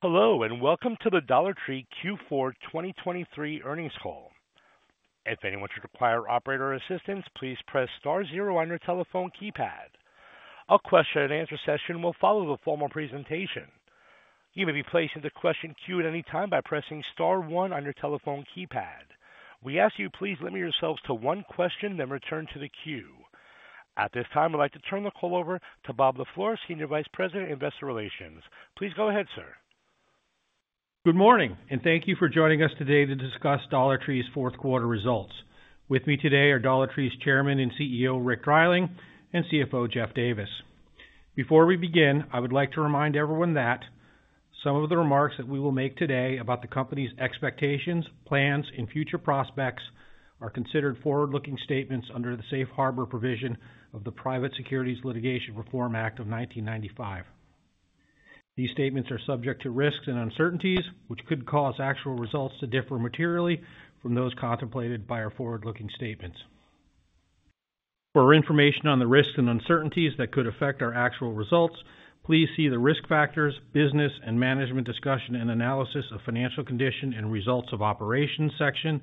Hello and welcome to the Dollar Tree Q4 2023 Earnings Call. If anyone should require operator assistance, please press star zero on your telephone keypad. A question and answer session will follow the formal presentation. You may be placed into question queue at any time by pressing star one on your telephone keypad. We ask you please limit yourselves to one question then return to the queue. At this time I'd like to turn the call over to Bob LaFleur, Senior Vice President Investor Relations. Please go ahead, sir. Good morning and thank you for joining us today to discuss Dollar Tree's Fourth Quarter Results. With me today are Dollar Tree's Chairman and CEO Rick Dreiling and CFO Jeff Davis. Before we begin I would like to remind everyone that some of the remarks that we will make today about the company's expectations, plans, and future prospects are considered forward-looking statements under the Safe Harbor provision of the Private Securities Litigation Reform Act of 1995. These statements are subject to risks and uncertainties which could cause actual results to differ materially from those contemplated by our forward-looking statements. For information on the risks and uncertainties that could affect our actual results, please see the risk factors, business and management discussion and analysis of financial condition and results of operations section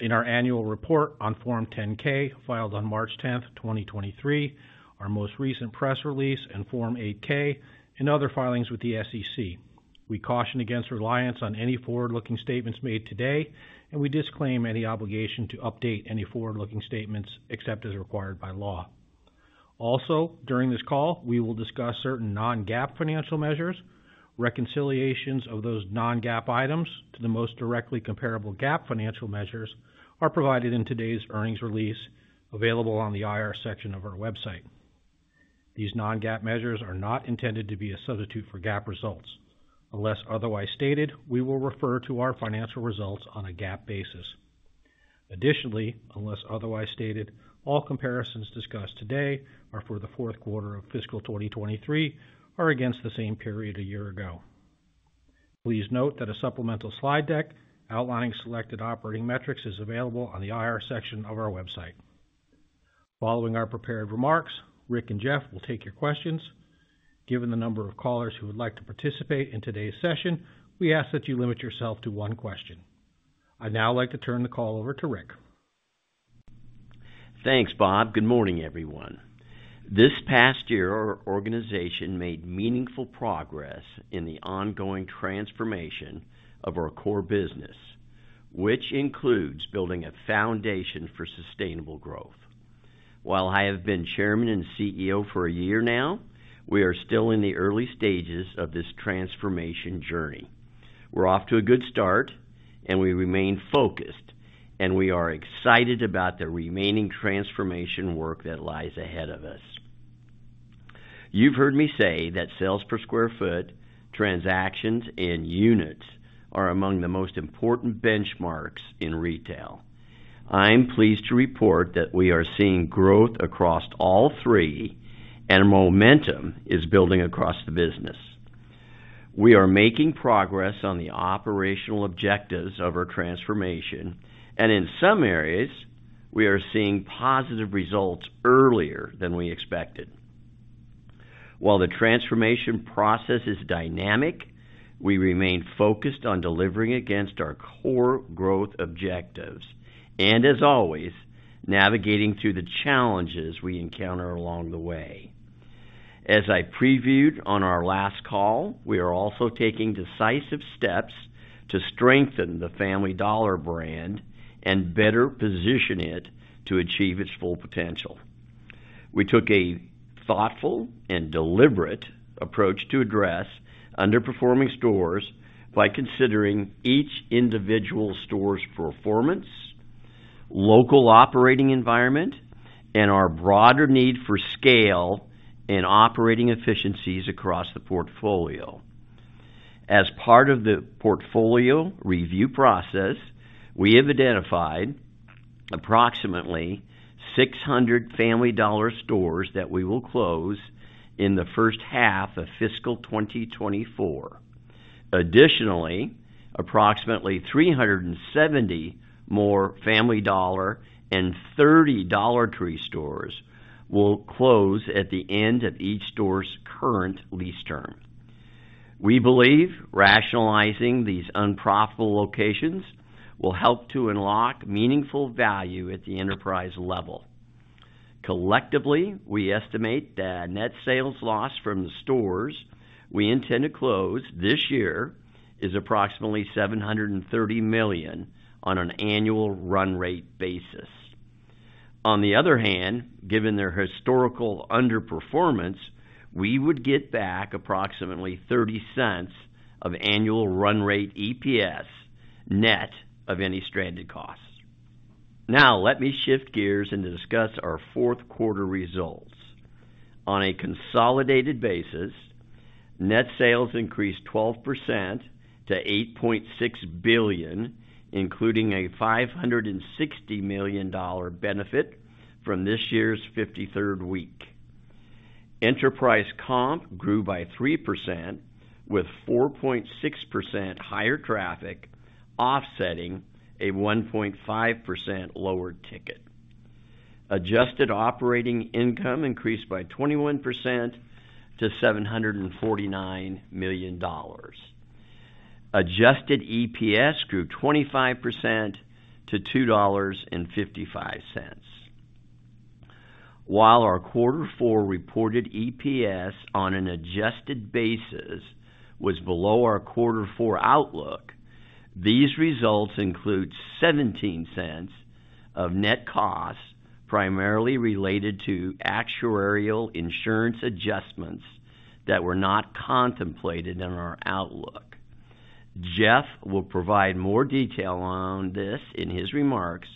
in our annual report on Form 10-K filed on March 10th, 2023, our most recent press release and Form 8-K, and other filings with the SEC. We caution against reliance on any forward-looking statements made today and we disclaim any obligation to update any forward-looking statements except as required by law. Also during this call we will discuss certain Non-GAAP financial measures. Reconciliations of those Non-GAAP items to the most directly comparable GAAP financial measures are provided in today's earnings release available on the IR section of our website. These Non-GAAP measures are not intended to be a substitute for GAAP results. Unless otherwise stated we will refer to our financial results on a GAAP basis. Additionally, unless otherwise stated, all comparisons discussed today for the fourth quarter of fiscal 2023 are against the same period a year ago. Please note that a supplemental slide deck outlining selected operating metrics is available on the IR section of our website. Following our prepared remarks, Rick and Jeff will take your questions. Given the number of callers who would like to participate in today's session, we ask that you limit yourself to one question. I'd now like to turn the call over to Rick. Thanks Bob. Good morning everyone. This past year our organization made meaningful progress in the ongoing transformation of our core business which includes building a foundation for sustainable growth. While I have been Chairman and CEO for a year now we are still in the early stages of this transformation journey. We're off to a good start and we remain focused and we are excited about the remaining transformation work that lies ahead of us. You've heard me say that sales per square foot, transactions, and units are among the most important benchmarks in retail. I'm pleased to report that we are seeing growth across all three and momentum is building across the business. We are making progress on the operational objectives of our transformation and in some areas we are seeing positive results earlier than we expected. While the transformation process is dynamic, we remain focused on delivering against our core growth objectives and, as always, navigating through the challenges we encounter along the way. As I previewed on our last call, we are also taking decisive steps to strengthen the Family Dollar brand and better position it to achieve its full potential. We took a thoughtful and deliberate approach to address underperforming stores by considering each individual store's performance, local operating environment, and our broader need for scale and operating efficiencies across the portfolio. As part of the portfolio review process, we identified approximately 600 Family Dollar stores that we will close in the first half of fiscal 2024. Additionally, approximately 370 more Family Dollar and Dollar Tree stores will close at the end of each store's current lease term. We believe rationalizing these unprofitable locations will help to unlock meaningful value at the enterprise level. Collectively we estimate that net sales loss from the stores we intend to close this year is approximately $730 million on an annual run rate basis. On the other hand, given their historical underperformance we would get back approximately $0.30 of annual run rate EPS net of any stranded costs. Now let me shift gears and discuss our fourth quarter results. On a consolidated basis, net sales increased 12% to $8.6 billion including a $560 million benefit from this year's 53rd week. Enterprise comp grew by 3% with 4.6% higher traffic offsetting a 1.5% lower ticket. Adjusted operating income increased by 21% to $749 million. Adjusted EPS grew 25% to $2.55. While our quarter four reported EPS on an adjusted basis was below our quarter four outlook, these results include $0.17 of net costs primarily related to actuarial insurance adjustments that were not contemplated in our outlook. Jeff will provide more detail on this in his remarks,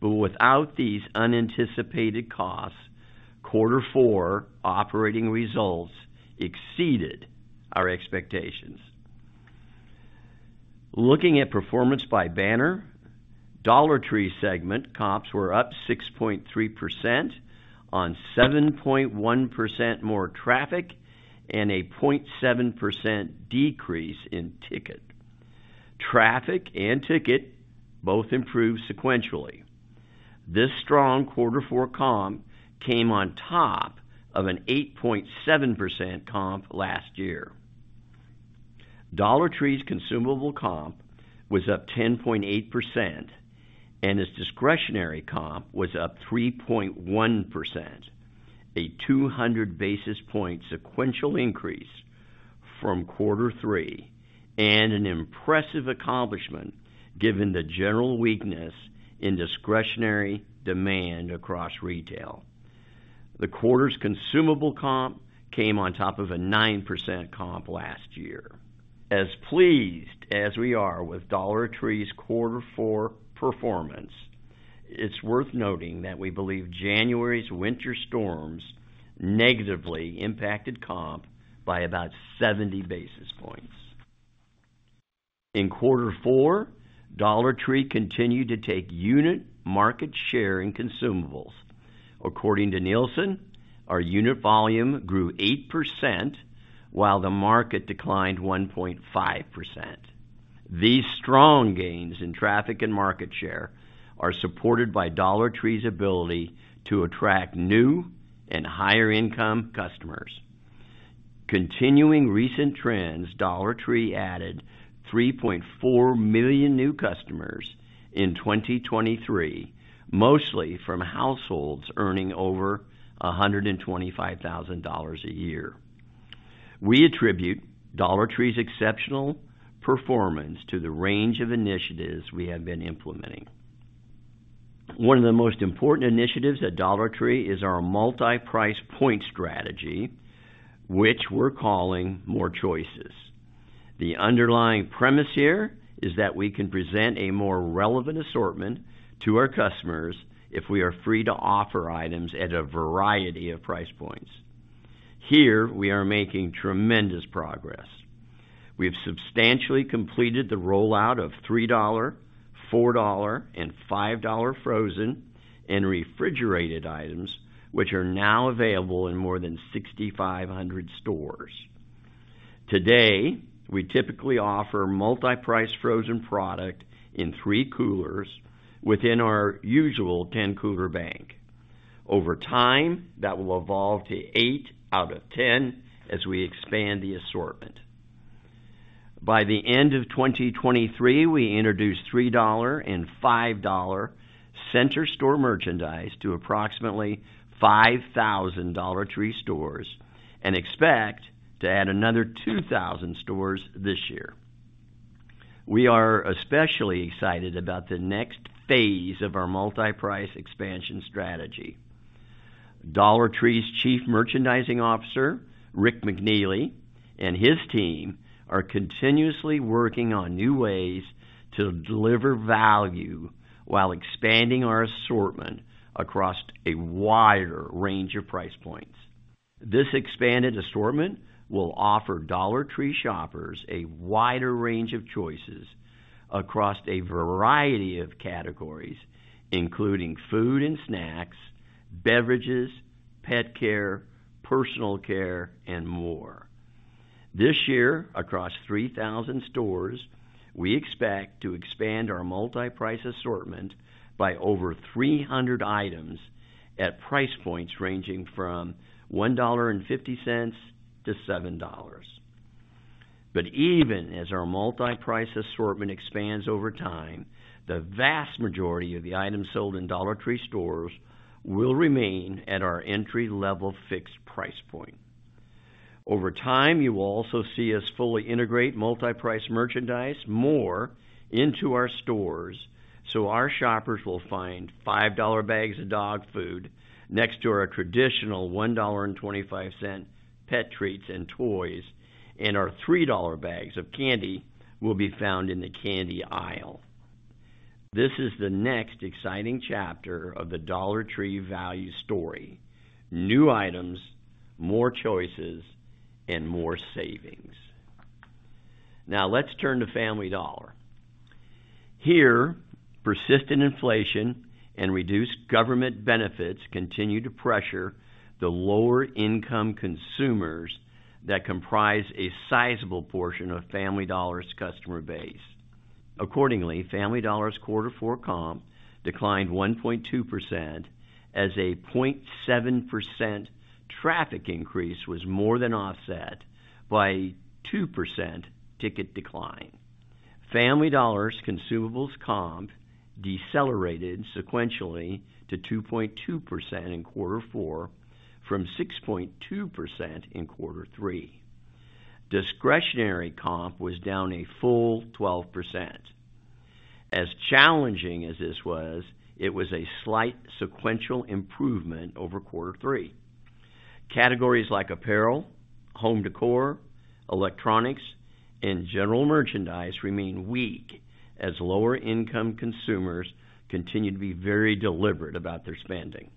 but without these unanticipated costs quarter four operating results exceeded our expectations. Looking at performance by banner, Dollar Tree segment comps were up 6.3% on 7.1% more traffic and a 0.7% decrease in ticket. Traffic and ticket both improved sequentially. This strong quarter four comp came on top of an 8.7% comp last year. Dollar Tree's consumable comp was up 10.8% and its discretionary comp was up 3.1%, a 200 basis points sequential increase from quarter three and an impressive accomplishment given the general weakness in discretionary demand across retail. The quarter's consumable comp came on top of a 9% comp last year. As pleased as we are with Dollar Tree's quarter four performance, it's worth noting that we believe January's winter storms negatively impacted comp by about 70 basis points. In quarter four, Dollar Tree continued to take unit market share in consumables. According to Nielsen, our unit volume grew 8% while the market declined 1.5%. These strong gains in traffic and market share are supported by Dollar Tree's ability to attract new and higher income customers. Continuing recent trends, Dollar Tree added 3.4 million new customers in 2023, mostly from households earning over $125,000 a year. We attribute Dollar Tree's exceptional performance to the range of initiatives we have been implementing. One of the most important initiatives at Dollar Tree is our multi-price point strategy, which we're calling More Choices. The underlying premise here is that we can present a more relevant assortment to our customers if we are free to offer items at a variety of price points. Here we are making tremendous progress. We've substantially completed the rollout of $3, $4, and $5 frozen and refrigerated items which are now available in more than 6,500 stores. Today we typically offer multi-price frozen product in three coolers within our usual 10 cooler bank. Over time that will evolve to 8 out of 10 as we expand the assortment. By the end of 2023 we introduce $3 and $5 center store merchandise to approximately 5,000 Dollar Tree stores and expect to add another 2,000 stores this year. We are especially excited about the next phase of our multi-price expansion strategy. Dollar Tree's Chief Merchandising Officer Rick McNeely and his team are continuously working on new ways to deliver value while expanding our assortment across a wider range of price points. This expanded assortment will offer Dollar Tree shoppers a wider range of choices across a variety of categories including food and snacks, beverages, pet care, personal care, and more. This year across 3,000 stores we expect to expand our multi-price assortment by over 300 items at price points ranging from $1.50-$7. But even as our multi-price assortment expands over time the vast majority of the items sold in Dollar Tree stores will remain at our entry level fixed price point. Over time you will also see us fully integrate multi-price merchandise more into our stores so our shoppers will find $5 bags of dog food next to our traditional $1.25 pet treats and toys and our $3 bags of candy will be found in the candy aisle. This is the next exciting chapter of the Dollar Tree value story. New items, more choices, and more savings. Now let's turn to Family Dollar. Here persistent inflation and reduced government benefits continue to pressure the lower income consumers that comprise a sizable portion of Family Dollar customer base. Accordingly Family Dollar quarter four comp declined 1.2% as a 0.7% traffic increase was more than offset by a 2% ticket decline. Family Dollar consumables comp decelerated sequentially to 2.2% in quarter four from 6.2% in quarter three. Discretionary comp was down a full 12%. As challenging as this was, it was a slight sequential improvement over quarter three. Categories like apparel, home decor, electronics, and general merchandise remain weak as lower income consumers continue to be very deliberate about their spending.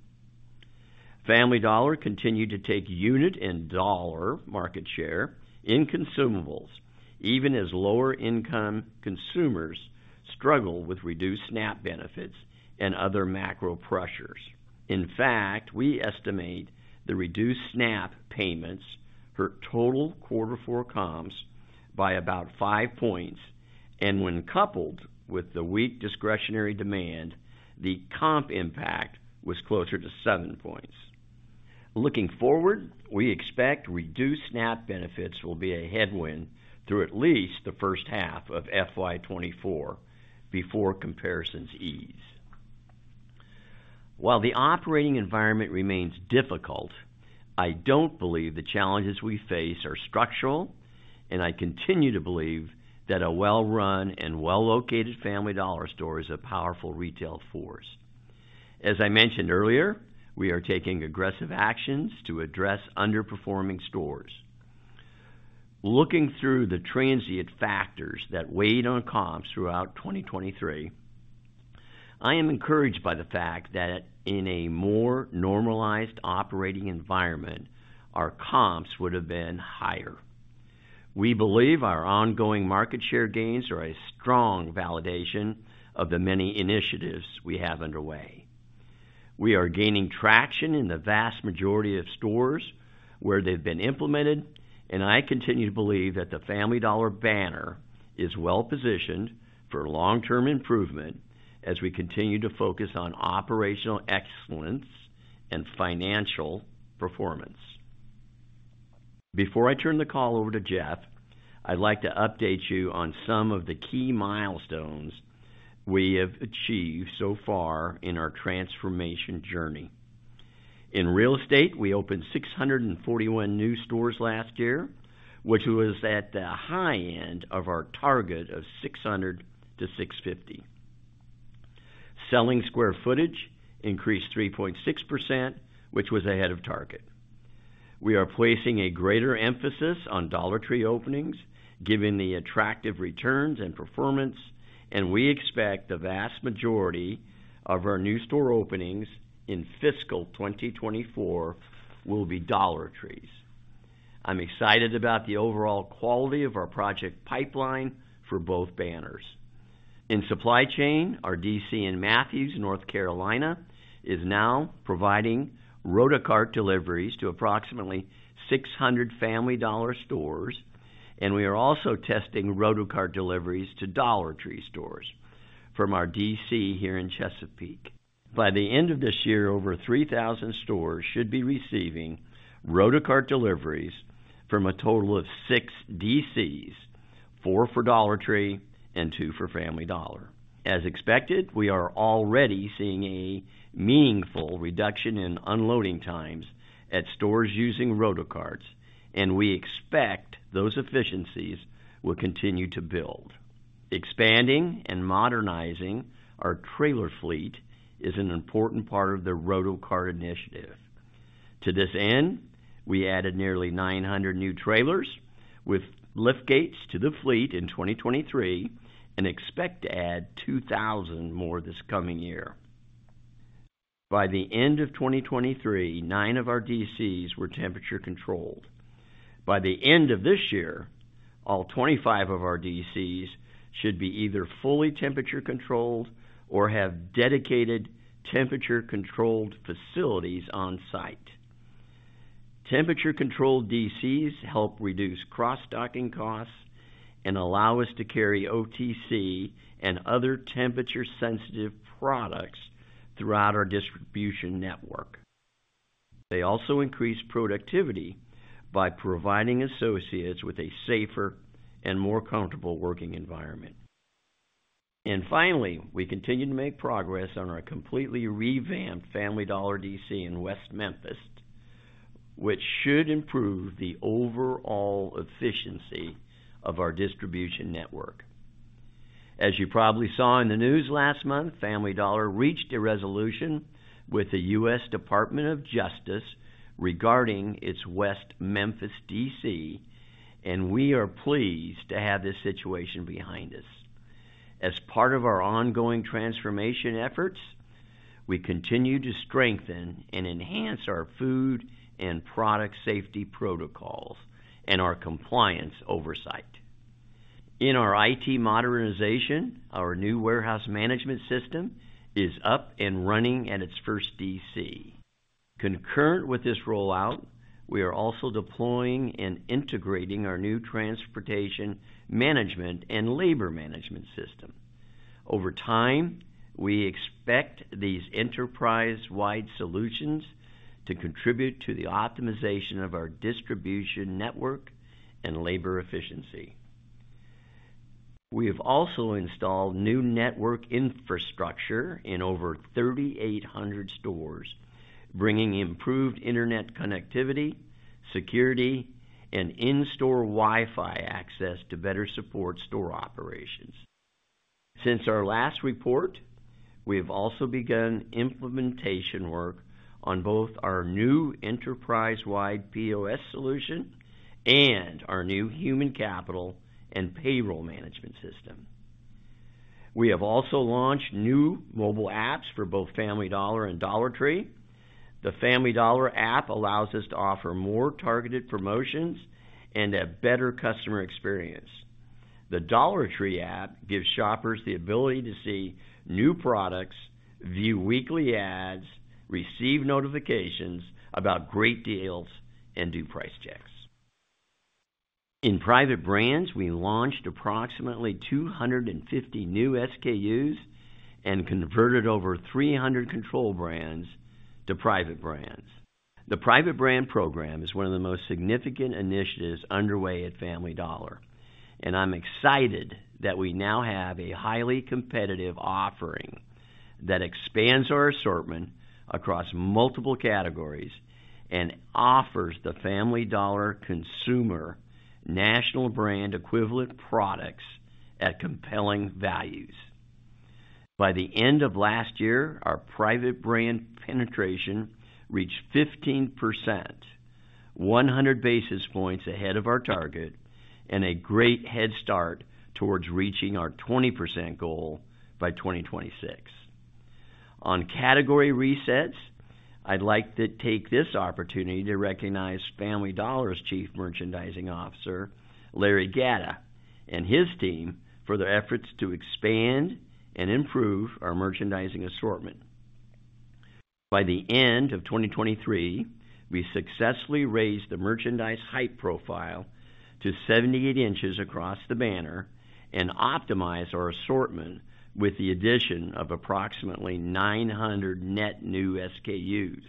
Family Dollar continued to take unit and dollar market share in consumables even as lower income consumers struggle with reduced SNAP benefits and other macro pressures. In fact we estimate the reduced SNAP payments per total quarter four comps by about five points and when coupled with the weak discretionary demand the comp impact was closer to seven points. Looking forward we expect reduced SNAP benefits will be a headwind through at least the first half of FY24 before comparisons ease. While the operating environment remains difficult, I don't believe the challenges we face are structural and I continue to believe that a well-run and well-located Family Dollar store is a powerful retail force. As I mentioned earlier, we are taking aggressive actions to address underperforming stores. Looking through the transient factors that weighed on comps throughout 2023, I am encouraged by the fact that in a more normalized operating environment our comps would have been higher. We believe our ongoing market share gains are a strong validation of the many initiatives we have underway. We are gaining traction in the vast majority of stores where they've been implemented and I continue to believe that the Family Dollar banner is well-positioned for long-term improvement as we continue to focus on operational excellence and financial performance. Before I turn the call over to Jeff I'd like to update you on some of the key milestones we have achieved so far in our transformation journey. In real estate we opened 641 new stores last year which was at the high end of our target of 600-650. Selling square footage increased 3.6% which was ahead of target. We are placing a greater emphasis on Dollar Tree openings given the attractive returns and performance and we expect the vast majority of our new store openings in fiscal 2024 will be Dollar Trees. I'm excited about the overall quality of our project pipeline for both banners. In supply chain our D.C. in Matthews, North Carolina is now providing Rotacart deliveries to approximately 600 Family Dollar stores and we are also testing Rotacart deliveries to Dollar Tree stores from our D.C. here in Chesapeake. By the end of this year over 3,000 stores should be receiving Rotacart deliveries from a total of six DCs, four for Dollar Tree and two for Family Dollar. As expected we are already seeing a meaningful reduction in unloading times at stores using Rotacarts and we expect those efficiencies will continue to build. Expanding and modernizing our trailer fleet is an important part of the Rotacart initiative. To this end we added nearly 900 new trailers with lift gates to the fleet in 2023 and expect to add 2,000 more this coming year. By the end of 2023 nine of our DCs were temperature controlled. By the end of this year all 25 of our DCs should be either fully temperature controlled or have dedicated temperature controlled facilities on site. Temperature controlled DCs help reduce cross-docking costs and allow us to carry OTC and other temperature sensitive products throughout our distribution network. They also increase productivity by providing associates with a safer and more comfortable working environment. And finally we continue to make progress on our completely revamped Family Dollar DC. in West Memphis which should improve the overall efficiency of our distribution network. As you probably saw in the news last month Family Dollar reached a resolution with the U.S. Department of Justice regarding its West Memphis DC and we are pleased to have this situation behind us. As part of our ongoing transformation efforts we continue to strengthen and enhance our food and product safety protocols and our compliance oversight. In our I.T. modernization our new warehouse management system is up and running at its first DC. Concurrent with this rollout we are also deploying and integrating our new transportation management and labor management system. Over time we expect these enterprise-wide solutions to contribute to the optimization of our distribution network and labor efficiency. We have also installed new network infrastructure in over 3,800 stores bringing improved internet connectivity, security, and in-store Wi-Fi access to better support store operations. Since our last report we have also begun implementation work on both our new enterprise-wide POS solution and our new human capital and payroll management system. We have also launched new mobile apps for both Family Dollar and Dollar Tree. The Family Dollar app allows us to offer more targeted promotions and a better customer experience. The Dollar Tree app gives shoppers the ability to see new products, view weekly ads, receive notifications about great deals, and do price checks. In private brands we launched approximately 250 new SKUs and converted over 300 control brands to private brands. The private brand program is one of the most significant initiatives underway at Family Dollar and I'm excited that we now have a highly competitive offering that expands our assortment across multiple categories and offers the Family Dollar consumer national brand equivalent products at compelling values. By the end of last year our private brand penetration reached 15%, 100 basis points ahead of our target, and a great head start towards reaching our 20% goal by 2026. On category resets I'd like to take this opportunity to recognize Family Dollar Chief Merchandising Officer Larry Gatta and his team for their efforts to expand and improve our merchandising assortment. By the end of 2023 we successfully raised the merchandise height profile to 78 inches across the banner and optimized our assortment with the addition of approximately 900 net new SKUs.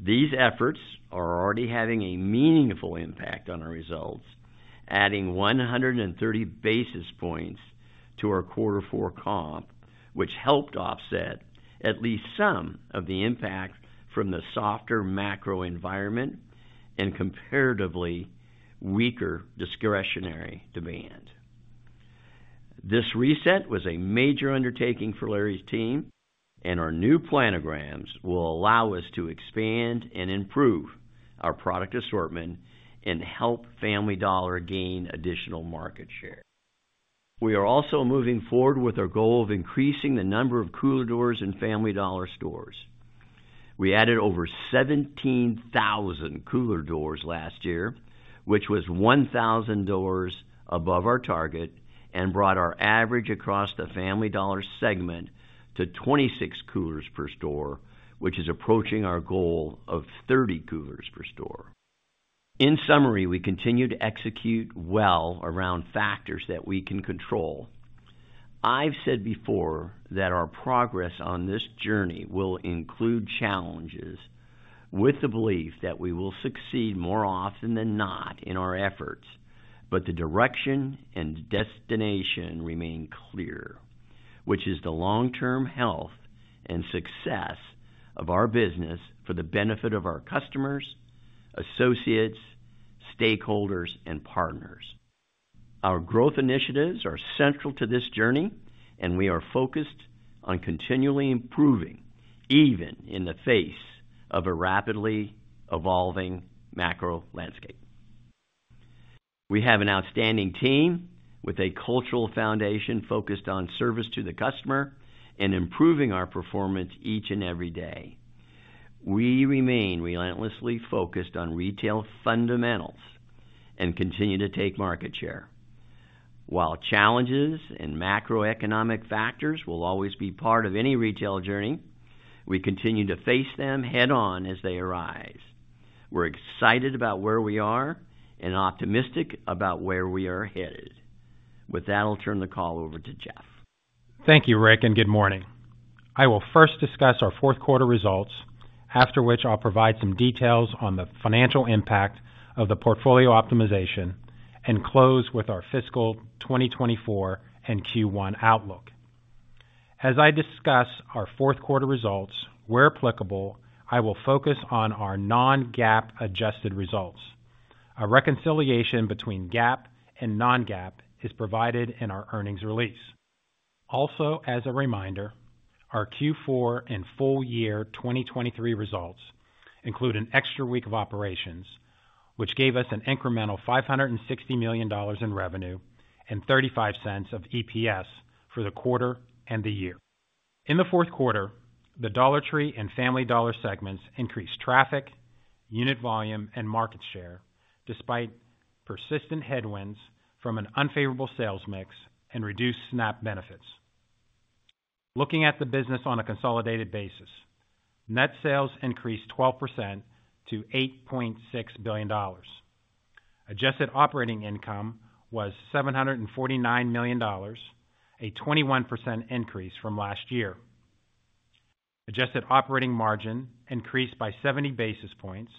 These efforts are already having a meaningful impact on our results adding 130 basis points to our quarter four comp which helped offset at least some of the impact from the softer macro environment and comparatively weaker discretionary demand. This reset was a major undertaking for Larry's team and our new planograms will allow us to expand and improve our product assortment and help Family Dollar gain additional market share. We are also moving forward with our goal of increasing the number of cooler doors in Family Dollar stores. We added over 17,000 cooler doors last year, which was 1,000 doors above our target and brought our average across the Family Dollar segment to 26 coolers per store, which is approaching our goal of 30 coolers per store. In summary, we continue to execute well around factors that we can control. I've said before that our progress on this journey will include challenges with the belief that we will succeed more often than not in our efforts, but the direction and destination remain clear, which is the long-term health and success of our business for the benefit of our customers, associates, stakeholders, and partners. Our growth initiatives are central to this journey and we are focused on continually improving even in the face of a rapidly evolving macro landscape. We have an outstanding team with a cultural foundation focused on service to the customer and improving our performance each and every day. We remain relentlessly focused on retail fundamentals and continue to take market share. While challenges and macroeconomic factors will always be part of any retail journey, we continue to face them head-on as they arise. We're excited about where we are and optimistic about where we are headed. With that I'll turn the call over to Jeff. Thank you, Rick, and good morning. I will first discuss our fourth quarter results after which I'll provide some details on the financial impact of the portfolio optimization and close with our fiscal 2024 and Q1 outlook. As I discuss our fourth quarter results where applicable, I will focus on our non-GAAP adjusted results. A reconciliation between GAAP and non-GAAP is provided in our earnings release. Also, as a reminder, our Q4 and full year 2023 results include an extra week of operations which gave us an incremental $560 million in revenue and $0.35 of EPS for the quarter and the year. In the fourth quarter the Dollar Tree and Family Dollar segments increased traffic, unit volume, and market share despite persistent headwinds from an unfavorable sales mix and reduced SNAP benefits. Looking at the business on a consolidated basis, net sales increased 12% to $8.6 billion. Adjusted operating income was $749 million, a 21% increase from last year. Adjusted operating margin increased by 70 basis points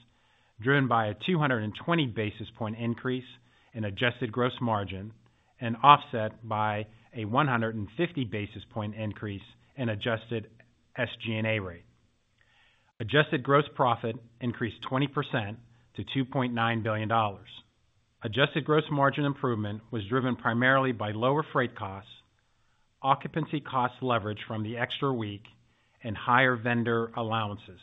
driven by a 220 basis point increase in adjusted gross margin and offset by a 150 basis point increase in adjusted SG&A rate. Adjusted gross profit increased 20% to $2.9 billion. Adjusted gross margin improvement was driven primarily by lower freight costs, occupancy cost leverage from the extra week, and higher vendor allowances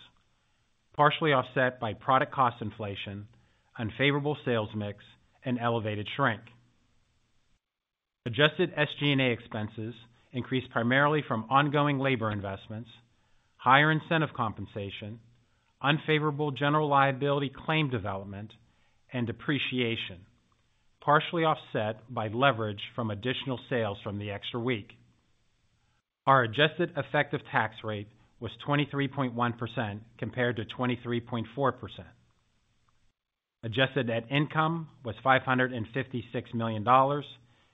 partially offset by product cost inflation, unfavorable sales mix, and elevated shrink. Adjusted SG&A expenses increased primarily from ongoing labor investments, higher incentive compensation, unfavorable general liability claim development, and depreciation partially offset by leverage from additional sales from the extra week. Our adjusted effective tax rate was 23.1% compared to 23.4%. Adjusted net income was $556 million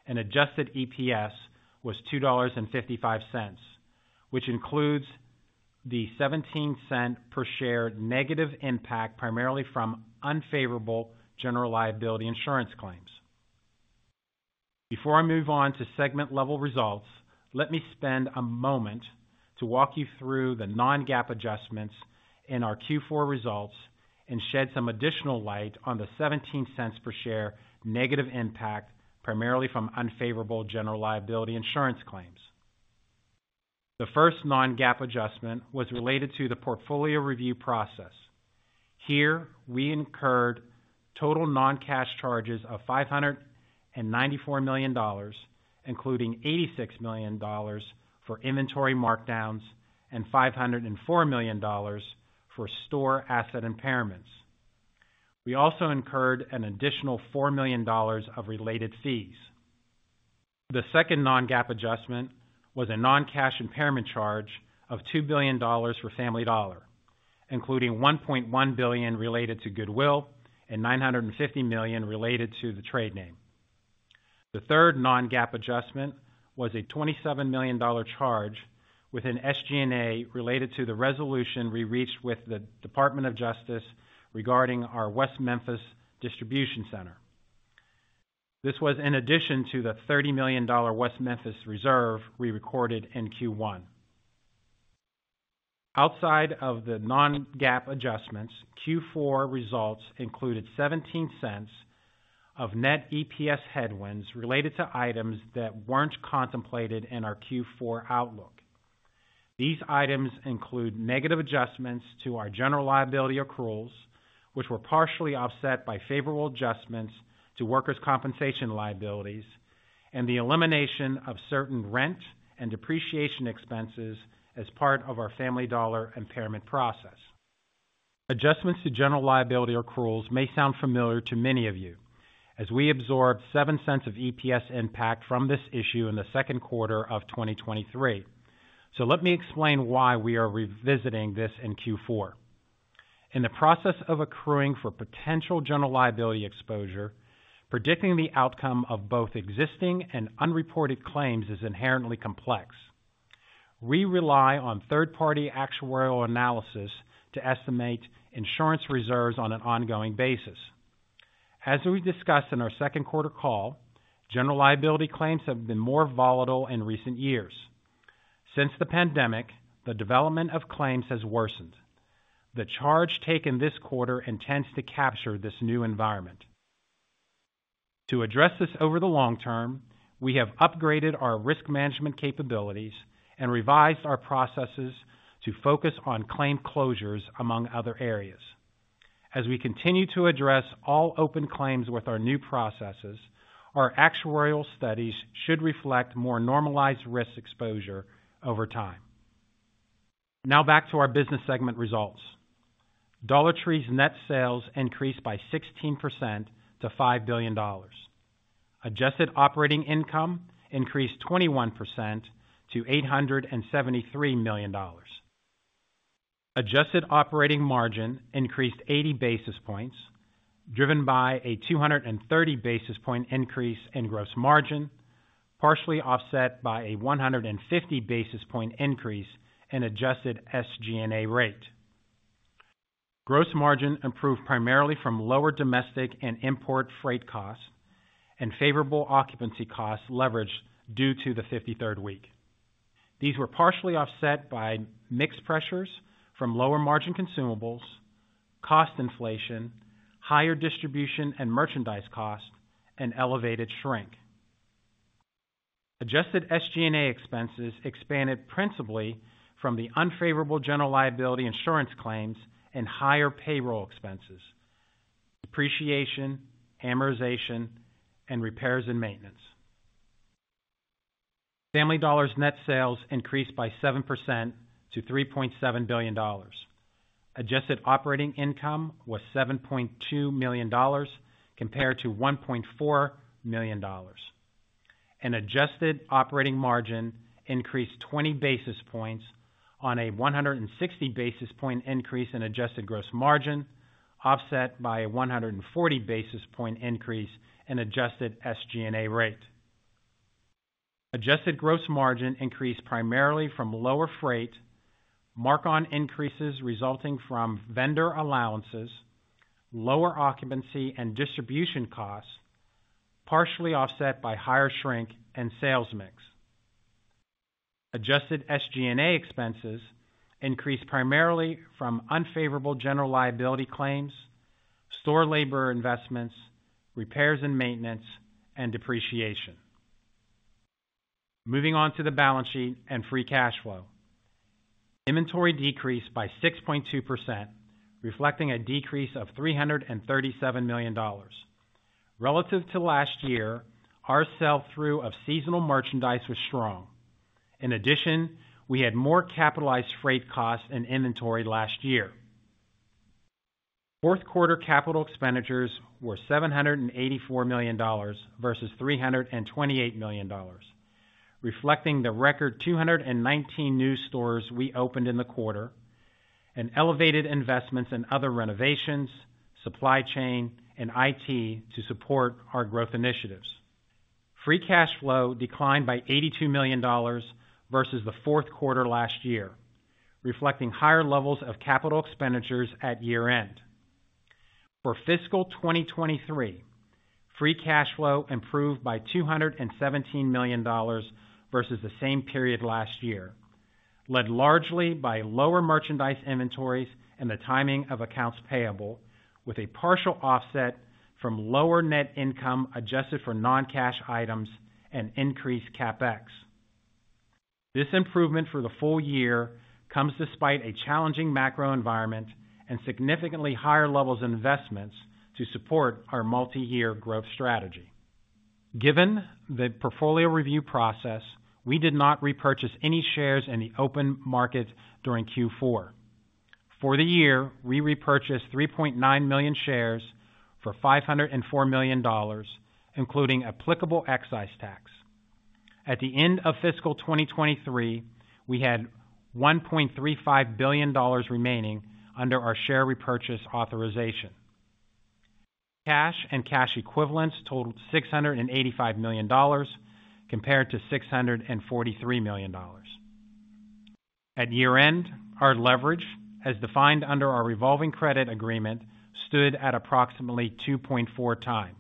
and adjusted EPS was $2.55, which includes the 17 cents per share negative impact primarily from unfavorable general liability insurance claims. Before I move on to segment level results, let me spend a moment to walk you through the non-GAAP adjustments in our Q4 results and shed some additional light on the 17 cents per share negative impact primarily from unfavorable general liability insurance claims. The first non-GAAP adjustment was related to the portfolio review process. Here we incurred total non-cash charges of $594 million, including $86 million for inventory markdowns and $504 million for store asset impairments. We also incurred an additional $4 million of related fees. The second non-GAAP adjustment was a non-cash impairment charge of $2 billion for Family Dollar, including $1.1 billion related to goodwill and $950 million related to the trade name. The third non-GAAP adjustment was a $27 million charge with an SG&A related to the resolution we reached with the Department of Justice regarding our West Memphis Distribution Center. This was in addition to the $30 million West Memphis reserve we recorded in Q1. Outside of the non-GAAP adjustments, Q4 results included $0.17 of net EPS headwinds related to items that weren't contemplated in our Q4 outlook. These items include negative adjustments to our general liability accruals which were partially offset by favorable adjustments to workers' compensation liabilities and the elimination of certain rent and depreciation expenses as part of our Family Dollar impairment process. Adjustments to general liability accruals may sound familiar to many of you as we absorbed $0.07 of EPS impact from this issue in the second quarter of 2023, so let me explain why we are revisiting this in Q4. In the process of accruing for potential general liability exposure, predicting the outcome of both existing and unreported claims is inherently complex. We rely on third-party actuarial analysis to estimate insurance reserves on an ongoing basis. As we discussed in our second quarter call, general liability claims have been more volatile in recent years. Since the pandemic, the development of claims has worsened. The charge taken this quarter intends to capture this new environment. To address this over the long term, we have upgraded our risk management capabilities and revised our processes to focus on claim closures among other areas. As we continue to address all open claims with our new processes, our actuarial studies should reflect more normalized risk exposure over time. Now back to our business segment results. Dollar Tree's net sales increased by 16% to $5 billion. Adjusted operating income increased 21% to $873 million. Adjusted operating margin increased 80 basis points driven by a 230 basis points increase in gross margin partially offset by a 150 basis points increase in adjusted SG&A rate. Gross margin improved primarily from lower domestic and import freight costs and favorable occupancy costs leveraged due to the 53rd week. These were partially offset by mixed pressures from lower margin consumables, cost inflation, higher distribution and merchandise cost, and elevated shrink. Adjusted SG&A expenses expanded principally from the unfavorable general liability insurance claims and higher payroll expenses, depreciation, amortization, and repairs and maintenance. Family Dollar net sales increased by 7% to $3.7 billion. Adjusted operating income was $7.2 million compared to $1.4 million. An adjusted operating margin increased 20 basis points on a 160 basis points increase in adjusted gross margin offset by a 140 basis points increase in adjusted SG&A rate. Adjusted gross margin increased primarily from lower freight, mark-on increases resulting from vendor allowances, lower occupancy and distribution costs partially offset by higher shrink and sales mix. Adjusted SG&A expenses increased primarily from unfavorable general liability claims, store labor investments, repairs and maintenance, and depreciation. Moving on to the balance sheet and free cash flow. Inventory decreased by 6.2% reflecting a decrease of $337 million. Relative to last year our sell-through of seasonal merchandise was strong. In addition we had more capitalized freight costs in inventory last year. Fourth quarter capital expenditures were $784 million versus $328 million reflecting the record 219 new stores we opened in the quarter and elevated investments in other renovations, supply chain, and IT to support our growth initiatives. Free cash flow declined by $82 million versus the fourth quarter last year reflecting higher levels of capital expenditures at year-end. For fiscal 2023, free cash flow improved by $217 million versus the same period last year, led largely by lower merchandise inventories and the timing of accounts payable, with a partial offset from lower net income adjusted for non-cash items and increased CapEx. This improvement for the full year comes despite a challenging macro environment and significantly higher levels of investments to support our multi-year growth strategy. Given the portfolio review process, we did not repurchase any shares in the open market during Q4. For the year, we repurchased 3.9 million shares for $504 million, including applicable excise tax. At the end of fiscal 2023, we had $1.35 billion remaining under our share repurchase authorization. Cash and cash equivalents totaled $685 million compared to $643 million. At year-end, our leverage as defined under our revolving credit agreement stood at approximately 2.4x.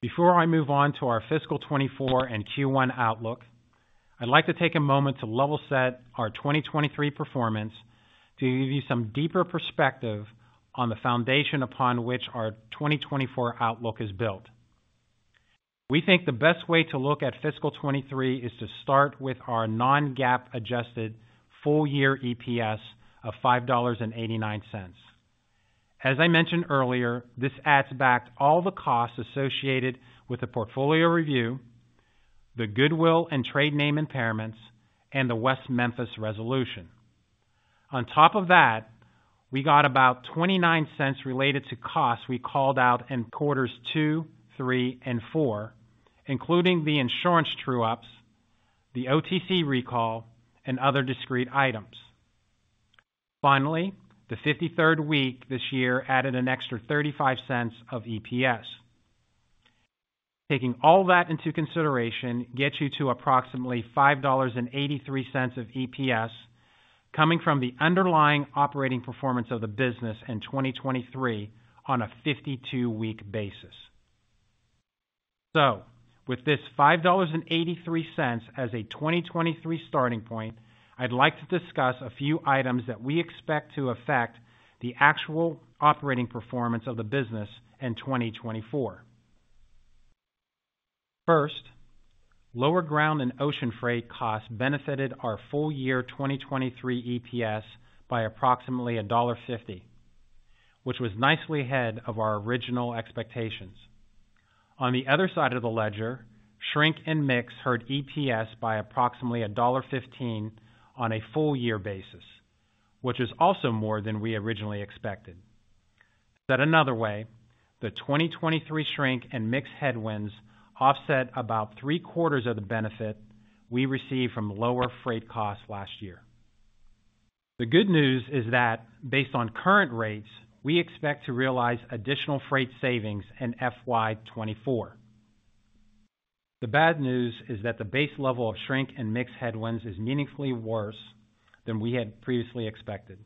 Before I move on to our fiscal 2024 and Q1 outlook I'd like to take a moment to level set our 2023 performance to give you some deeper perspective on the foundation upon which our 2024 outlook is built. We think the best way to look at fiscal 2023 is to start with our non-GAAP adjusted full year EPS of $5.89. As I mentioned earlier this adds back all the costs associated with the portfolio review, the goodwill and trade name impairments, and the West Memphis resolution. On top of that we got about $0.29 related to costs we called out in quarters two, three, and four including the insurance true-ups, the OTC recall, and other discrete items. Finally the 53rd week this year added an extra $0.35 of EPS. Taking all that into consideration gets you to approximately $5.83 of EPS coming from the underlying operating performance of the business in 2023 on a 52-week basis. So with this $5.83 as a 2023 starting point I'd like to discuss a few items that we expect to affect the actual operating performance of the business in 2024. First, lower ground and ocean freight costs benefited our full year 2023 EPS by approximately $1.50, which was nicely ahead of our original expectations. On the other side of the ledger, shrink and mix hurt EPS by approximately $1.15 on a full year basis, which is also more than we originally expected. Said another way, the 2023 shrink and mix headwinds offset about three-quarters of the benefit we received from lower freight costs last year. The good news is that based on current rates we expect to realize additional freight savings in FY24. The bad news is that the base level of shrink and mix headwinds is meaningfully worse than we had previously expected.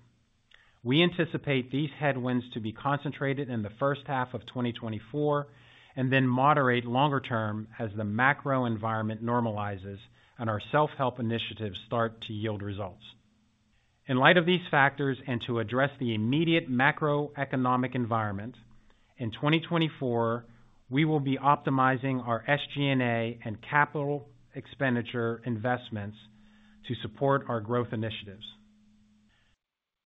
We anticipate these headwinds to be concentrated in the first half of 2024 and then moderate longer term as the macro environment normalizes and our self-help initiatives start to yield results. In light of these factors and to address the immediate macroeconomic environment in 2024 we will be optimizing our SG&A and capital expenditure investments to support our growth initiatives.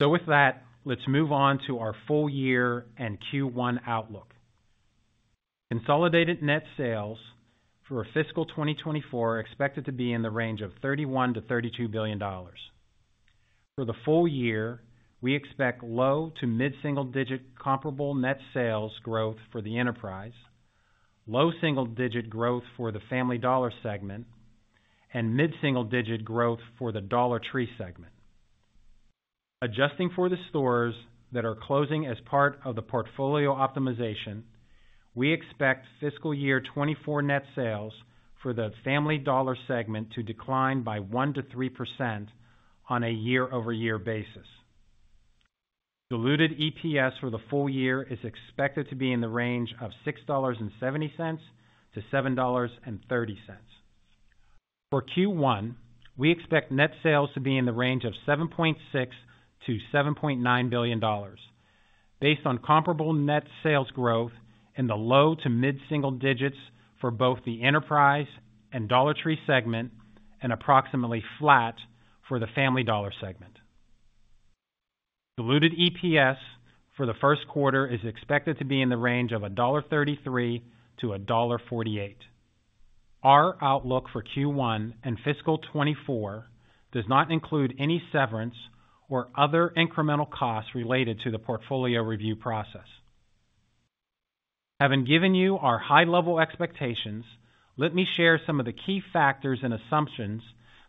So with that let's move on to our full year and Q1 outlook. Consolidated net sales for fiscal 2024 expected to be in the range of $31-$32 billion. For the full year we expect low to mid-single digit comparable net sales growth for the enterprise, low single digit growth for the Family Dollar segment, and mid-single digit growth for the Dollar Tree segment. Adjusting for the stores that are closing as part of the portfolio optimization we expect fiscal year 2024 net sales for the Family Dollar segment to decline by 1%-3% on a year-over-year basis. Diluted EPS for the full year is expected to be in the range of $6.70-$7.30. For Q1 we expect net sales to be in the range of $7.6-$7.9 billion based on comparable net sales growth in the low to mid-single digits for both the enterprise and Dollar Tree segment and approximately flat for the Family Dollar segment. Diluted EPS for the first quarter is expected to be in the range of $1.33-$1.48. Our outlook for Q1 and fiscal 2024 does not include any severance or other incremental costs related to the portfolio review process. Having given you our high-level expectations, let me share some of the key factors and assumptions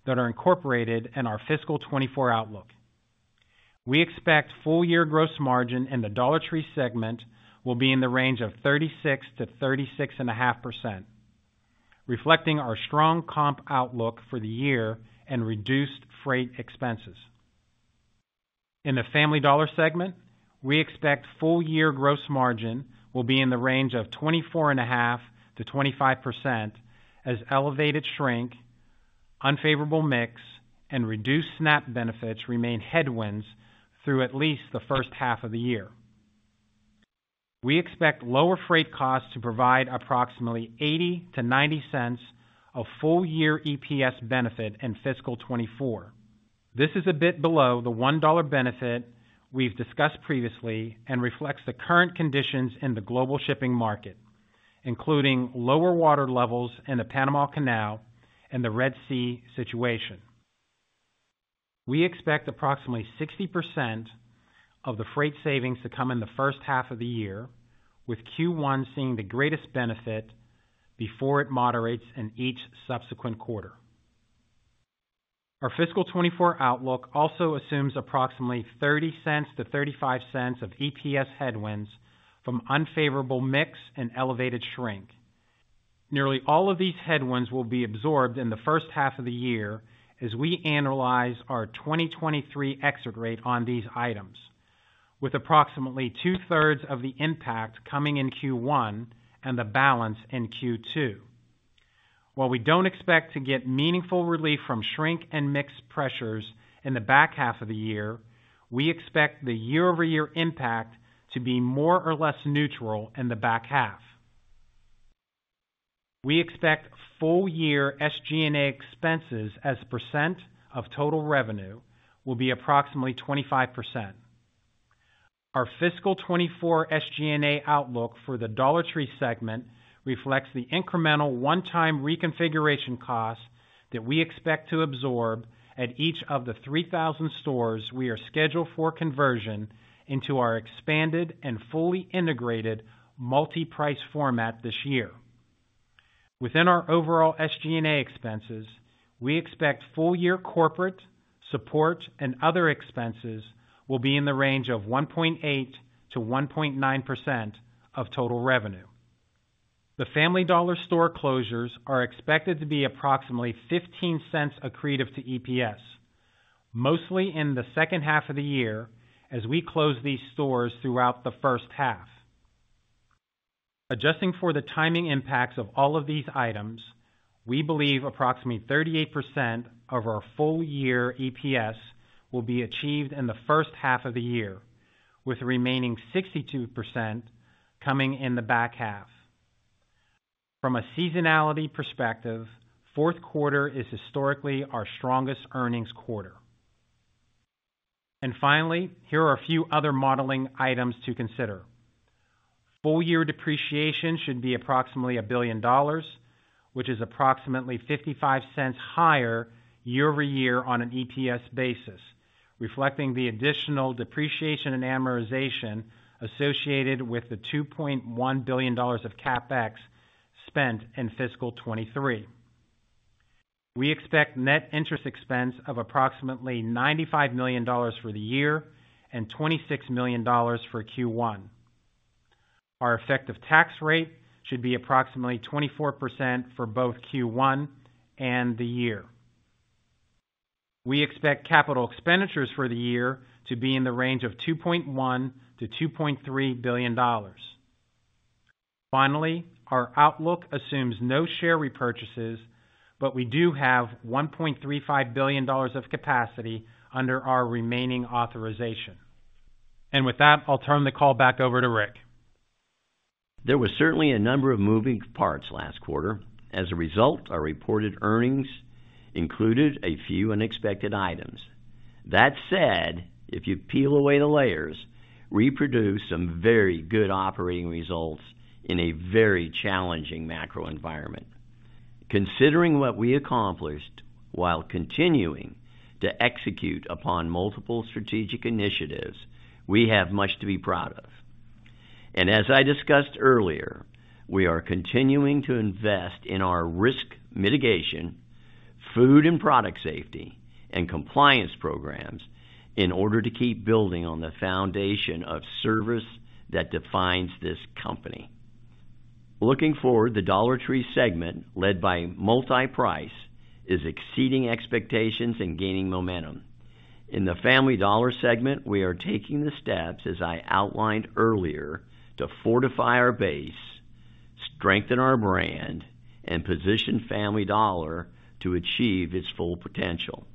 that are incorporated in our fiscal 2024 outlook. We expect full-year gross margin in the Dollar Tree segment will be in the range of 36%-36.5% reflecting our strong comp outlook for the year and reduced freight expenses. In the Family Dollar segment we expect full-year gross margin will be in the range of 24.5%-25% as elevated shrink, unfavorable mix, and reduced SNAP benefits remain headwinds through at least the first half of the year. We expect lower freight costs to provide approximately $0.80-$0.90 of full-year EPS benefit in fiscal 2024. This is a bit below the $1 benefit we've discussed previously and reflects the current conditions in the global shipping market including lower water levels in the Panama Canal and the Red Sea situation. We expect approximately 60% of the freight savings to come in the first half of the year with Q1 seeing the greatest benefit before it moderates in each subsequent quarter. Our fiscal 2024 outlook also assumes approximately $0.30-$0.35 of EPS headwinds from unfavorable mix and elevated shrink. Nearly all of these headwinds will be absorbed in the first half of the year as we analyze our 2023 exit rate on these items with approximately two-thirds of the impact coming in Q1 and the balance in Q2. While we don't expect to get meaningful relief from shrink and mix pressures in the back half of the year, we expect the year-over-year impact to be more or less neutral in the back half. We expect full year SG&A expenses as percent of total revenue will be approximately 25%. Our fiscal 2024 SG&A outlook for the Dollar Tree segment reflects the incremental one-time reconfiguration costs that we expect to absorb at each of the 3,000 stores we are scheduled for conversion into our expanded and fully integrated multi-price format this year. Within our overall SG&A expenses we expect full year corporate, support, and other expenses will be in the range of 1.8%-1.9% of total revenue. The Family Dollar store closures are expected to be approximately $0.15 accretive to EPS mostly in the second half of the year as we close these stores throughout the first half. Adjusting for the timing impacts of all of these items we believe approximately 38% of our full year EPS will be achieved in the first half of the year with remaining 62% coming in the back half. From a seasonality perspective, fourth quarter is historically our strongest earnings quarter. And finally here are a few other modeling items to consider. Full year depreciation should be approximately $1 billion which is approximately $0.55 higher year-over-year on an EPS basis reflecting the additional depreciation and amortization associated with the $2.1 billion of CapEx spent in fiscal 2023. We expect net interest expense of approximately $95 million for the year and $26 million for Q1. Our effective tax rate should be approximately 24% for both Q1 and the year. We expect capital expenditures for the year to be in the range of $2.1 billion-$2.3 billion. Finally, our outlook assumes no share repurchases but we do have $1.35 billion of capacity under our remaining authorization. With that I'll turn the call back over to Rick. There was certainly a number of moving parts last quarter. As a result our reported earnings included a few unexpected items. That said if you peel away the layers, we produced some very good operating results in a very challenging macro environment. Considering what we accomplished while continuing to execute upon multiple strategic initiatives, we have much to be proud of. As I discussed earlier we are continuing to invest in our risk mitigation, food and product safety, and compliance programs in order to keep building on the foundation of service that defines this company. Looking forward the Dollar Tree segment led by multi-price is exceeding expectations and gaining momentum. In the Family Dollar segment we are taking the steps as I outlined earlier to fortify our base, strengthen our brand, and position Family Dollar to achieve its full potential.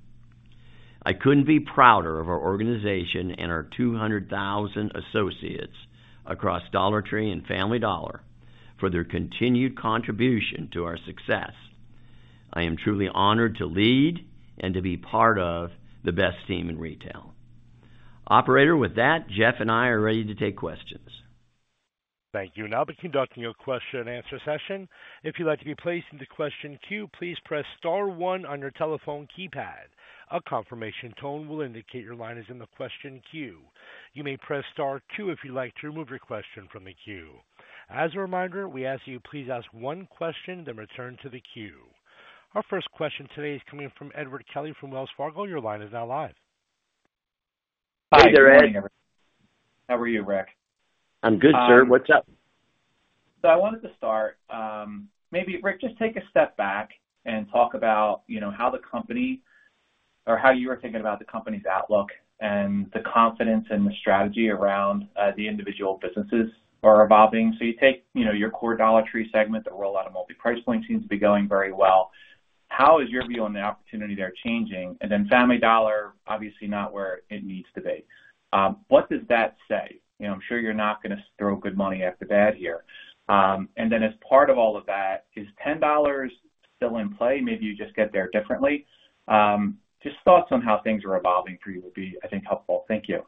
I couldn't be prouder of our organization and our 200,000 associates across Dollar Tree and Family Dollar for their continued contribution to our success. I am truly honored to lead and to be part of the best team in retail. Operator with that Jeff and I are ready to take questions. Thank you. Now beginning our question and answer session. If you'd like to be placed into the question queue, please press star one on your telephone keypad. A confirmation tone will indicate your line is in the question queue. You may press star two if you'd like to remove your question from the queue. As a reminder, we ask you please ask one question then return to the queue. Our first question today is coming from Edward Kelly from Wells Fargo. Your line is now live. Hi. How are you, Rick? I'm good, sir. What's up? So I wanted to start maybe Rick just take a step back and talk about how the company or how you were thinking about the company's outlook and the confidence and the strategy around the individual businesses are evolving. So you take your core Dollar Tree segment the rollout of multi-price points seems to be going very well. How is your view on the opportunity there changing? And then Family Dollar obviously not where it needs to be. What does that say? I'm sure you're not going to throw good money after bad here. And then as part of all of that is $10 still in play? Maybe you just get there differently. Just thoughts on how things are evolving for you would be I think helpful. Thank you.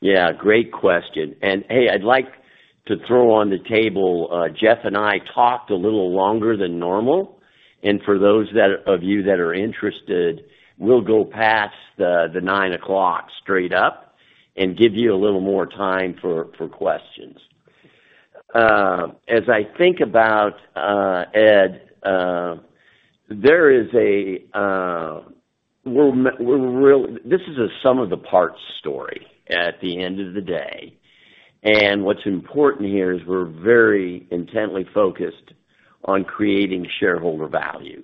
Yeah. Great question. And hey I'd like to throw on the table Jeff and I talked a little longer than normal and for those of you that are interested we'll go past the 9:00 A.M. straight up and give you a little more time for questions. As I think about Ed, there is this: this is a sum of the parts story at the end of the day, and what's important here is we're very intently focused on creating shareholder value.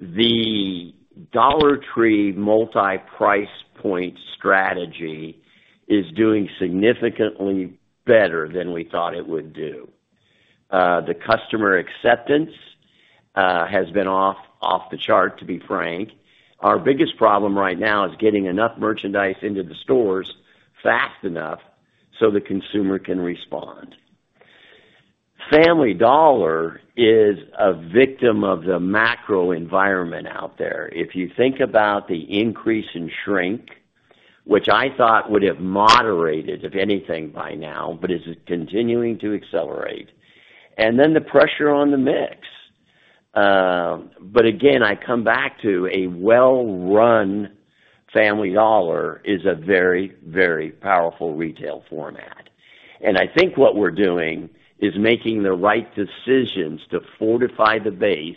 The Dollar Tree multi-price point strategy is doing significantly better than we thought it would do. The customer acceptance has been off the chart, to be frank. Our biggest problem right now is getting enough merchandise into the stores fast enough so the consumer can respond. Family Dollar is a victim of the macro environment out there. If you think about the increase in shrink, which I thought would have moderated if anything by now but is continuing to accelerate, and then the pressure on the mix. But again, I come back to: a well-run Family Dollar is a very, very powerful retail format. And I think what we're doing is making the right decisions to fortify the base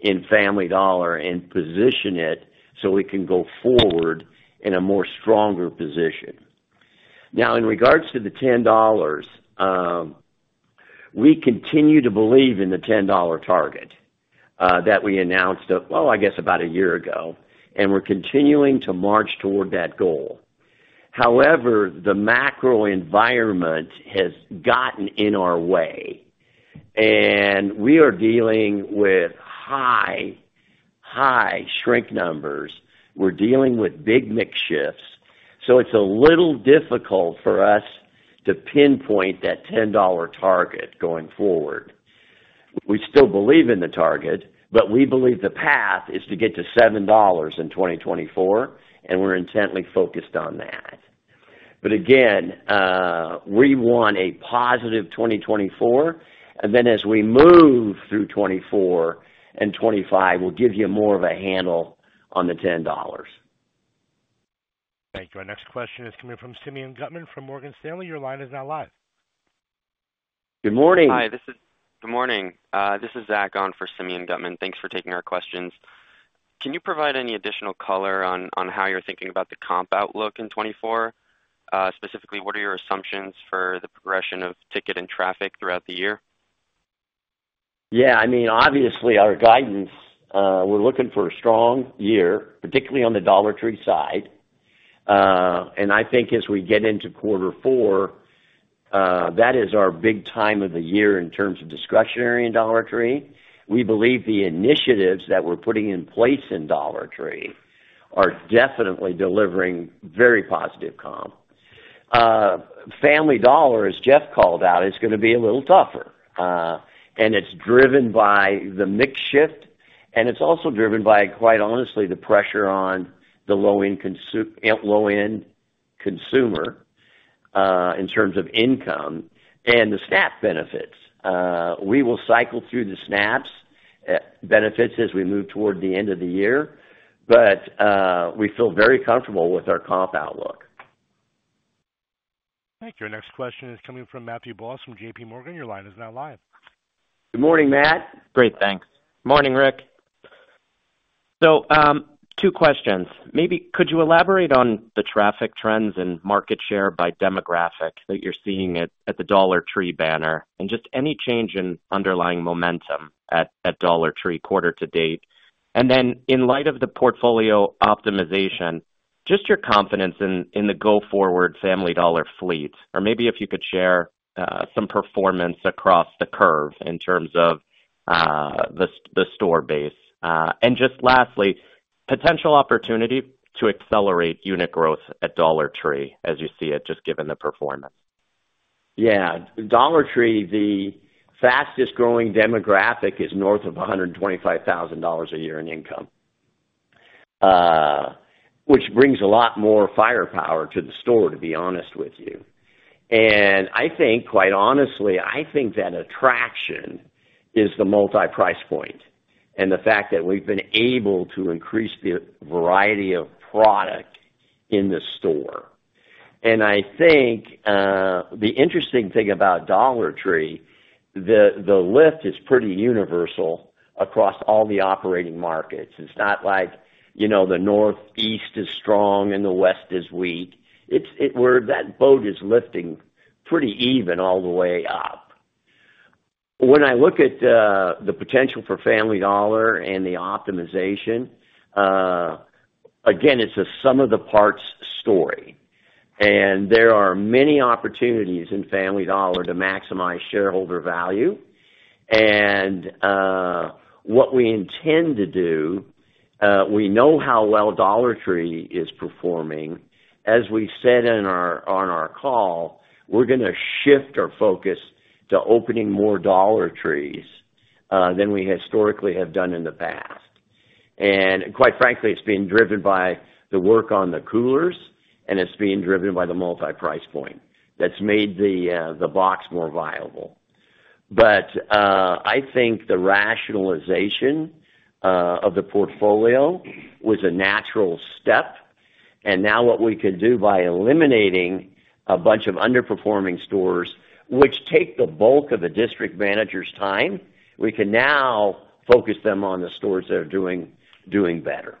in Family Dollar and position it so we can go forward in a more stronger position. Now, in regards to the $10, we continue to believe in the $10 target that we announced well, I guess about a year ago, and we're continuing to march toward that goal. However, the macro environment has gotten in our way, and we are dealing with high, high shrink numbers. We're dealing with big mix shifts, so it's a little difficult for us to pinpoint that $10 target going forward. We still believe in the target, but we believe the path is to get to $7 in 2024, and we're intently focused on that. But again, we want a positive 2024, and then as we move through 2024 and 2025, we'll give you more of a handle on the $10. Thank you. Our next question is coming from Simeon Gutman from Morgan Stanley. Your line is now live. Good morning. Hi. This is good morning. This is Zach Gunn for Simeon Gutman. Thanks for taking our questions. Can you provide any additional color on how you're thinking about the comp outlook in 2024? Specifically, what are your assumptions for the progression of ticket and traffic throughout the year? Yeah. I mean, obviously, our guidance—we're looking for a strong year, particularly on the Dollar Tree side. And I think as we get into quarter four, that is our big time of the year in terms of discretionary in Dollar Tree. We believe the initiatives that we're putting in place in Dollar Tree are definitely delivering very positive comp. Family Dollar as Jeff called out is going to be a little tougher and it's driven by the mix shift and it's also driven by quite honestly the pressure on the low-income consumer in terms of income and the SNAP benefits. We will cycle through the SNAP benefits as we move toward the end of the year but we feel very comfortable with our comp outlook. Thank you. Our next question is coming from Matthew Boss from JPMorgan. Your line is now live. Good morning Matt. Great. Thanks. Morning Rick. So two questions. Maybe could you elaborate on the traffic trends and market share by demographic that you're seeing at the Dollar Tree banner and just any change in underlying momentum at Dollar Tree quarter to date? And then in light of the portfolio optimization, just your confidence in the go-forward Family Dollar fleet or maybe if you could share some performance across the curve in terms of the store base. And just lastly, potential opportunity to accelerate unit growth at Dollar Tree as you see it just given the performance. Yeah. Dollar Tree, the fastest growing demographic is north of $125,000 a year in income, which brings a lot more firepower to the store, to be honest with you. And I think quite honestly, I think that attraction is the multi-price point and the fact that we've been able to increase the variety of product in the store. And I think the interesting thing about Dollar Tree, the lift is pretty universal across all the operating markets. It's not like the northeast is strong and the west is weak. It's where that boat is lifting pretty even all the way up. When I look at the potential for Family Dollar and the optimization, again, it's a sum of the parts story, and there are many opportunities in Family Dollar to maximize shareholder value. And what we intend to do, we know how well Dollar Tree is performing. As we said in our call, we're going to shift our focus to opening more Dollar Trees than we historically have done in the past. And quite frankly, it's being driven by the work on the coolers, and it's being driven by the multi-price point that's made the box more viable. But I think the rationalization of the portfolio was a natural step, and now what we can do by eliminating a bunch of underperforming stores which take the bulk of the district manager's time we can now focus them on the stores that are doing better.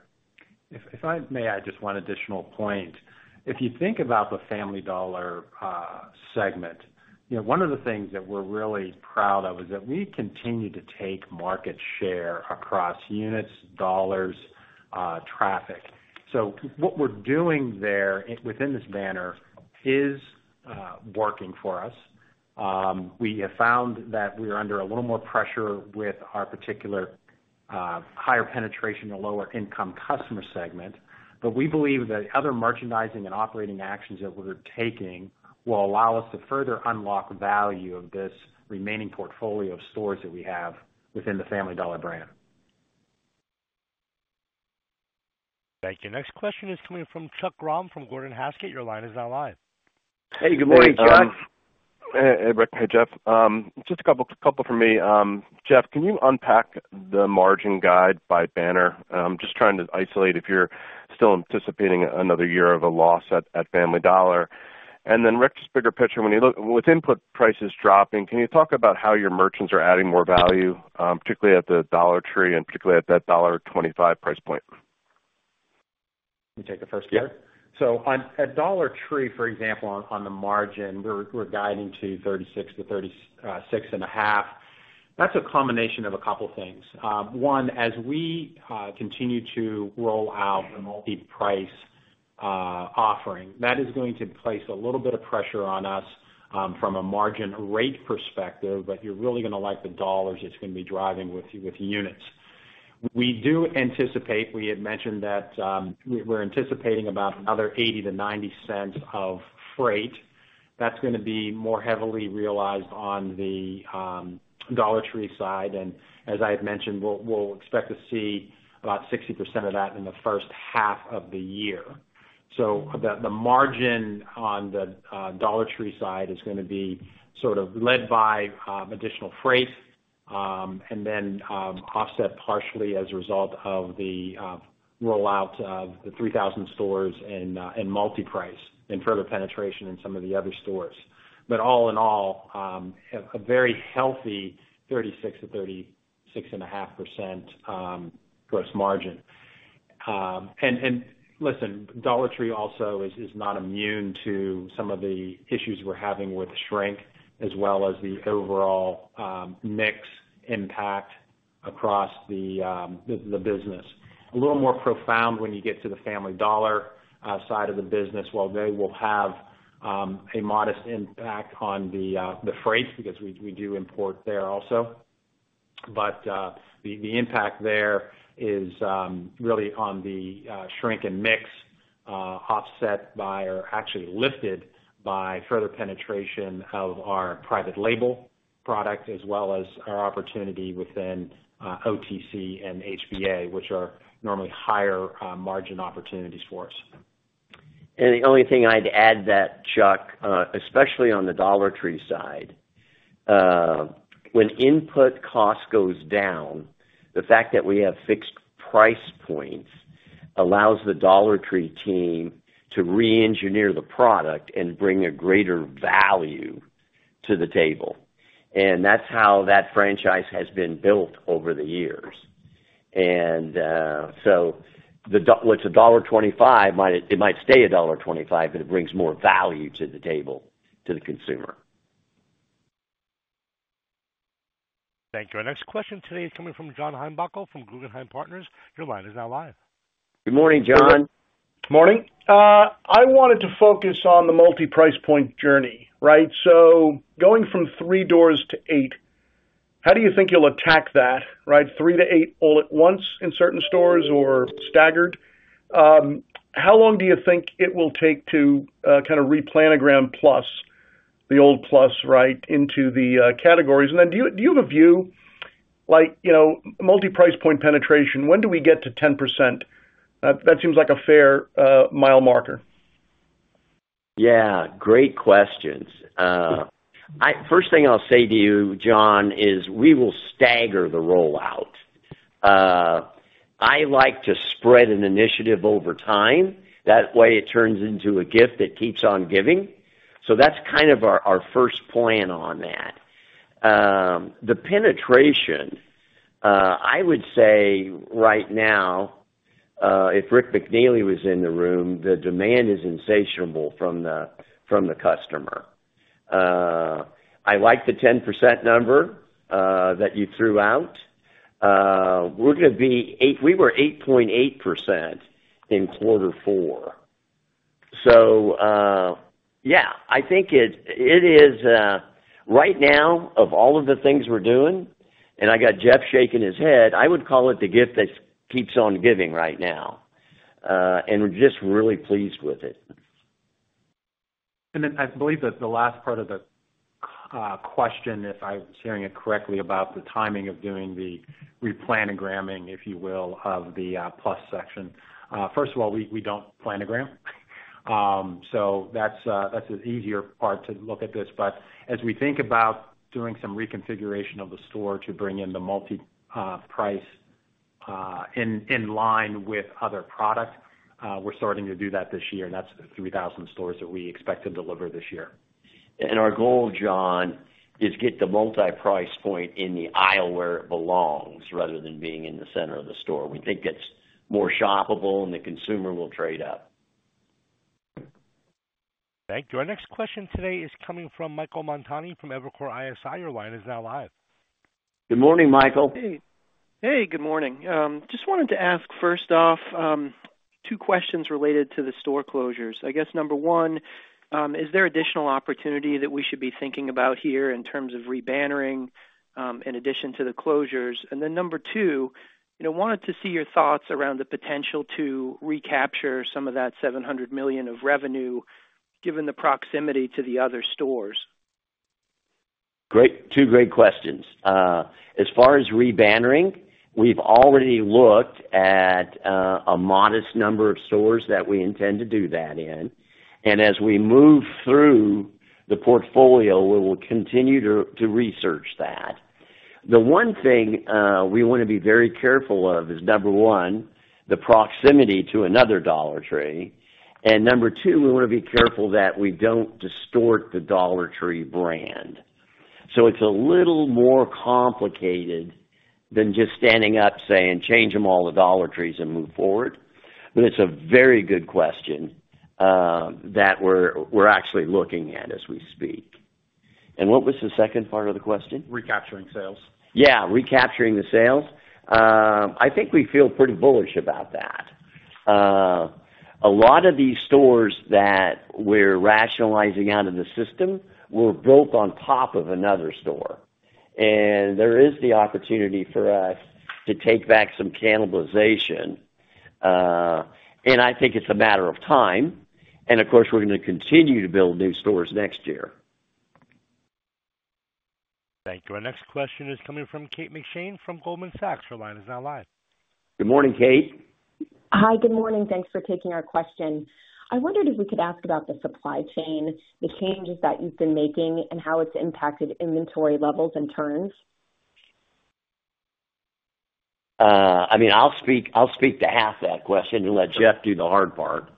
If I may add just one additional point. If you think about the Family Dollar segment, one of the things that we're really proud of is that we continue to take market share across units, dollars, traffic. So what we're doing there within this banner is working for us. We have found that we are under a little more pressure with our particular higher penetration and lower income customer segment, but we believe that other merchandising and operating actions that we're taking will allow us to further unlock value of this remaining portfolio of stores that we have within the Family Dollar brand. Thank you. Next question is coming from Chuck Grom from Gordon Haskett. Your line is now live. Hey, good morning, Chuck. Hey, Rick. Hey, Jeff. Just a couple from me. Jeff, can you unpack the margin guide by banner? Just trying to isolate if you're still anticipating another year of a loss at Family Dollar. And then, Rick, just bigger picture, when you look with input prices dropping, can you talk about how your merchants are adding more value, particularly at the Dollar Tree and particularly at that $1.25 price point? You take the first part? So, at Dollar Tree, for example, on the margin, we're guiding to 36%-36.5%. That's a combination of a couple things. One as we continue to roll out the multi-price offering that is going to place a little bit of pressure on us from a margin rate perspective but you're really going to like the dollars it's going to be driving with units. We do anticipate we had mentioned that we're anticipating about another $0.80-$0.90 of freight. That's going to be more heavily realized on the Dollar Tree side and as I had mentioned we'll expect to see about 60% of that in the first half of the year. So the margin on the Dollar Tree side is going to be sort of led by additional freight and then offset partially as a result of the rollout of the 3,000 stores and multi-price and further penetration in some of the other stores. All in all, a very healthy 36%-36.5% gross margin. Listen, Dollar Tree also is not immune to some of the issues we're having with shrink, as well as the overall mix impact across the business. A little more profound when you get to the Family Dollar side of the business, while they will have a modest impact on the freight because we do import there also. The impact there is really on the shrink and mix, offset by, or actually lifted by, further penetration of our private label product, as well as our opportunity within OTC and HBA, which are normally higher margin opportunities for us. The only thing I'd add that Chuck especially on the Dollar Tree side when input cost goes down the fact that we have fixed price points allows the Dollar Tree team to re-engineer the product and bring a greater value to the table. That's how that franchise has been built over the years. So what's a $1.25 it might stay a $1.25 but it brings more value to the table to the consumer. Thank you. Our next question today is coming from John Heinbockel from Guggenheim Partners. Your line is now live. Good morning John. Good morning. I wanted to focus on the multi-price point journey right? So going from three doors to eight how do you think you'll attack that right? Three to eight all at once in certain stores or staggered? How long do you think it will take to kind of re-planogram Plus the old Plus right into the categories? And then do you have a view like multi-price point penetration when do we get to 10%? That seems like a fair mile marker. Yeah. Great questions. First thing I'll say to you John is we will stagger the rollout. I like to spread an initiative over time. That way it turns into a gift that keeps on giving. So that's kind of our first plan on that. The penetration I would say right now if Rick McNeely was in the room the demand is insatiable from the customer. I like the 10% number that you threw out. We're going to be we were 8.8% in quarter four. So yeah, I think it is right now of all of the things we're doing, and I got Jeff shaking his head. I would call it the gift that keeps on giving right now, and we're just really pleased with it. And then I believe that the last part of the question, if I'm hearing it correctly, about the timing of doing the re-planogramming, if you will, of the Plus section. First of all, we don't planogram, so that's an easier part to look at this. But as we think about doing some reconfiguration of the store to bring in the multi-price in line with other product, we're starting to do that this year, and that's the 3,000 stores that we expect to deliver this year. And our goal, John, is get the multi-price point in the aisle where it belongs rather than being in the center of the store. We think it's more shoppable and the consumer will trade up. Thank you. Our next question today is coming from Michael Montani from Evercore ISI. Your line is now live. Good morning, Michael. Hey. Hey, good morning. Just wanted to ask first off two questions related to the store closures. I guess number one is there additional opportunity that we should be thinking about here in terms of re-bannering in addition to the closures? And then number two wanted to see your thoughts around the potential to recapture some of that $700 million of revenue given the proximity to the other stores. Great. Two great questions. As far as re-bannering we've already looked at a modest number of stores that we intend to do that in and as we move through the portfolio we will continue to research that. The one thing we want to be very careful of is number one, the proximity to another Dollar Tree, and number two, we want to be careful that we don't distort the Dollar Tree brand. So it's a little more complicated than just standing up saying change them all to Dollar Trees and move forward. But it's a very good question that we're actually looking at as we speak. And what was the second part of the question? Recapturing sales. Yeah. Recapturing the sales. I think we feel pretty bullish about that. A lot of these stores that we're rationalizing out of the system were built on top of another store, and there is the opportunity for us to take back some cannibalization, and I think it's a matter of time. And of course we're going to continue to build new stores next year. Thank you. Our next question is coming from Kate McShane from Goldman Sachs, your line is now live. Good morning, Kate. Hi, good morning. Thanks for taking our question. I wondered if we could ask about the supply chain, the changes that you've been making, and how it's impacted inventory levels and turns. I mean, I'll speak to half that question and let Jeff do the hard part.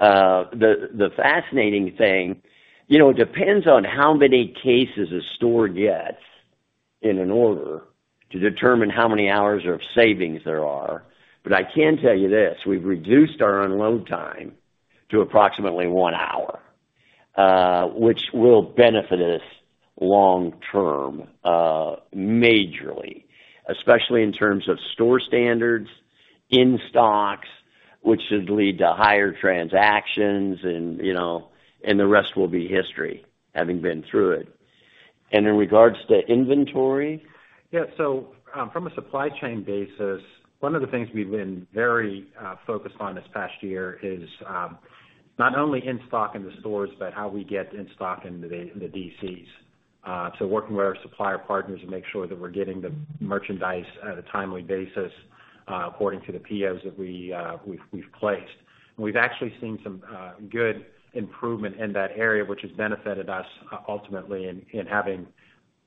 The fascinating thing it depends on how many cases a store gets in an order to determine how many hours of savings there are. But I can tell you this, we've reduced our unload time to approximately one hour, which will benefit us long-term majorly, especially in terms of store standards in-stocks, which should lead to higher transactions, and the rest will be history, having been through it. And in regards to inventory. Yeah. So, from a supply chain basis, one of the things we've been very focused on this past year is not only in stock in the stores but how we get in stock in the DCs. So working with our supplier partners to make sure that we're getting the merchandise at a timely basis according to the POs that we've placed. We've actually seen some good improvement in that area which has benefited us ultimately in having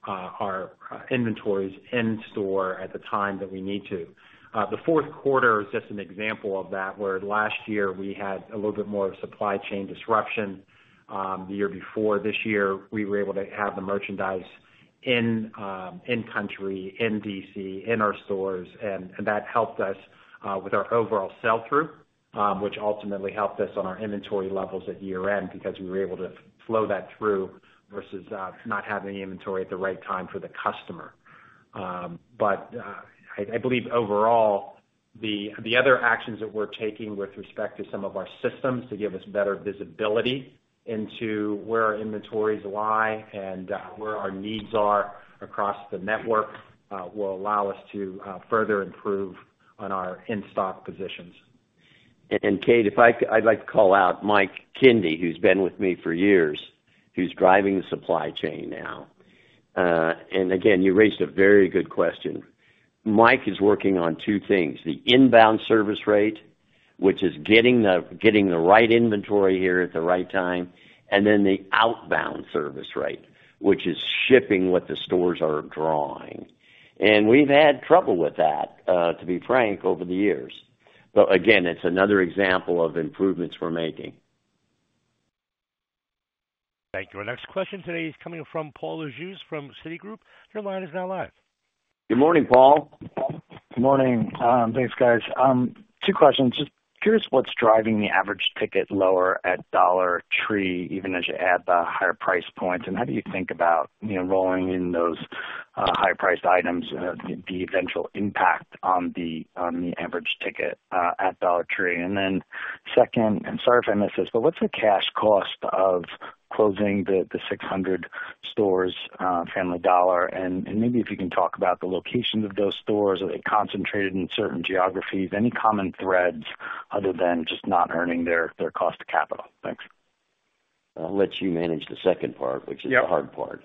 our inventories in store at the time that we need to. The fourth quarter is just an example of that where last year we had a little bit more of supply chain disruption. The year before this year, we were able to have the merchandise in-country in D.C. in our stores, and that helped us with our overall sell-through, which ultimately helped us on our inventory levels at year-end because we were able to flow that through versus not having inventory at the right time for the customer. But I believe overall the other actions that we're taking with respect to some of our systems to give us better visibility into where our inventories lie and where our needs are across the network will allow us to further improve on our in-stock positions. And, Kate, I'd like to call out Mike Kindy who's been with me for years who's driving the supply chain now. And again you raised a very good question. Mike is working on two things: the inbound service rate, which is getting the right inventory here at the right time, and then the outbound service rate, which is shipping what the stores are drawing. We've had trouble with that, to be frank, over the years. Again, it's another example of improvements we're making. Thank you. Our next question today is coming from Paul Lejuez from Citigroup. Your line is now live. Good morning, Paul. Good morning. Thanks, guys. Two questions. Just curious, what's driving the average ticket lower at Dollar Tree even as you add the higher price points, and how do you think about rolling in those higher priced items, the eventual impact on the average ticket at Dollar Tree. Then second, and sorry if I missed this, but what's the cash cost of closing the 600 Family Dollar stores, and maybe if you can talk about the locations of those stores? Are they concentrated in certain geographies? Any common threads other than just not earning their cost of capital? Thanks. I'll let you manage the second part, which is the hard part.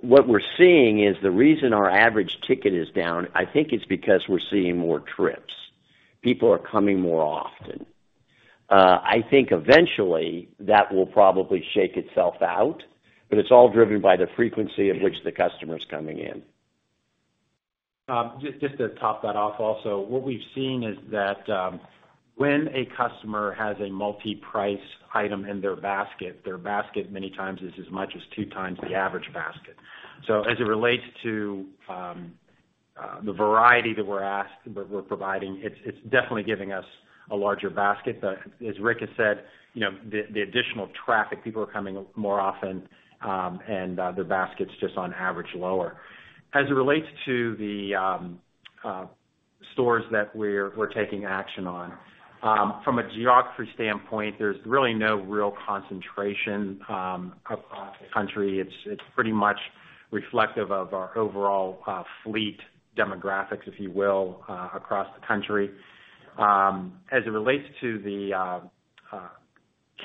What we're seeing is the reason our average ticket is down. I think it's because we're seeing more trips. People are coming more often. I think eventually that will probably shake itself out, but it's all driven by the frequency of which the customer is coming in. Just to top that off, also, what we've seen is that when a customer has a multi-price item in their basket, their basket many times is as much as two times the average basket. So as it relates to the variety that we're adding that we're providing, it's definitely giving us a larger basket. But as Rick has said, the additional traffic—people are coming more often and their basket's just on average lower. As it relates to the stores that we're taking action on from a geography standpoint, there's really no real concentration across the country. It's pretty much reflective of our overall fleet demographics if you will across the country. As it relates to the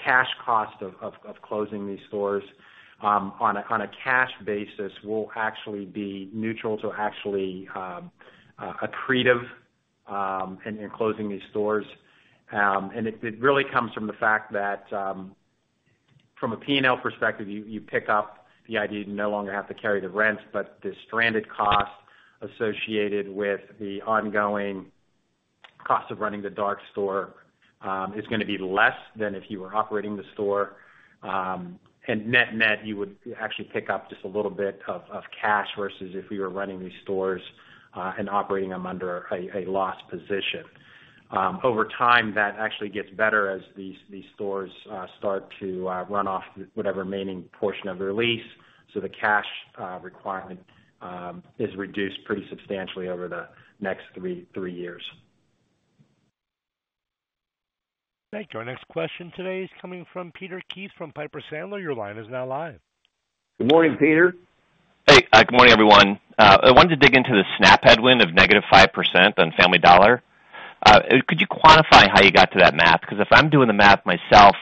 cash cost of closing these stores on a cash basis, we'll actually be neutral to actually accretive in closing these stores. It really comes from the fact that from a P&L perspective you pick up the idea to no longer have to carry the rent but the stranded cost associated with the ongoing cost of running the dark store is going to be less than if you were operating the store. Net net you would actually pick up just a little bit of cash versus if we were running these stores and operating them under a loss position. Over time that actually gets better as these stores start to run off whatever remaining portion of their lease so the cash requirement is reduced pretty substantially over the next three years. Thank you. Our next question today is coming from Peter Keith from Piper Sandler. Your line is now live. Good morning, Peter. Hey. Good morning, everyone. I wanted to dig into the SNAP headwind of -5% on Family Dollar. Could you quantify how you got to that math? Because if I'm doing the math myself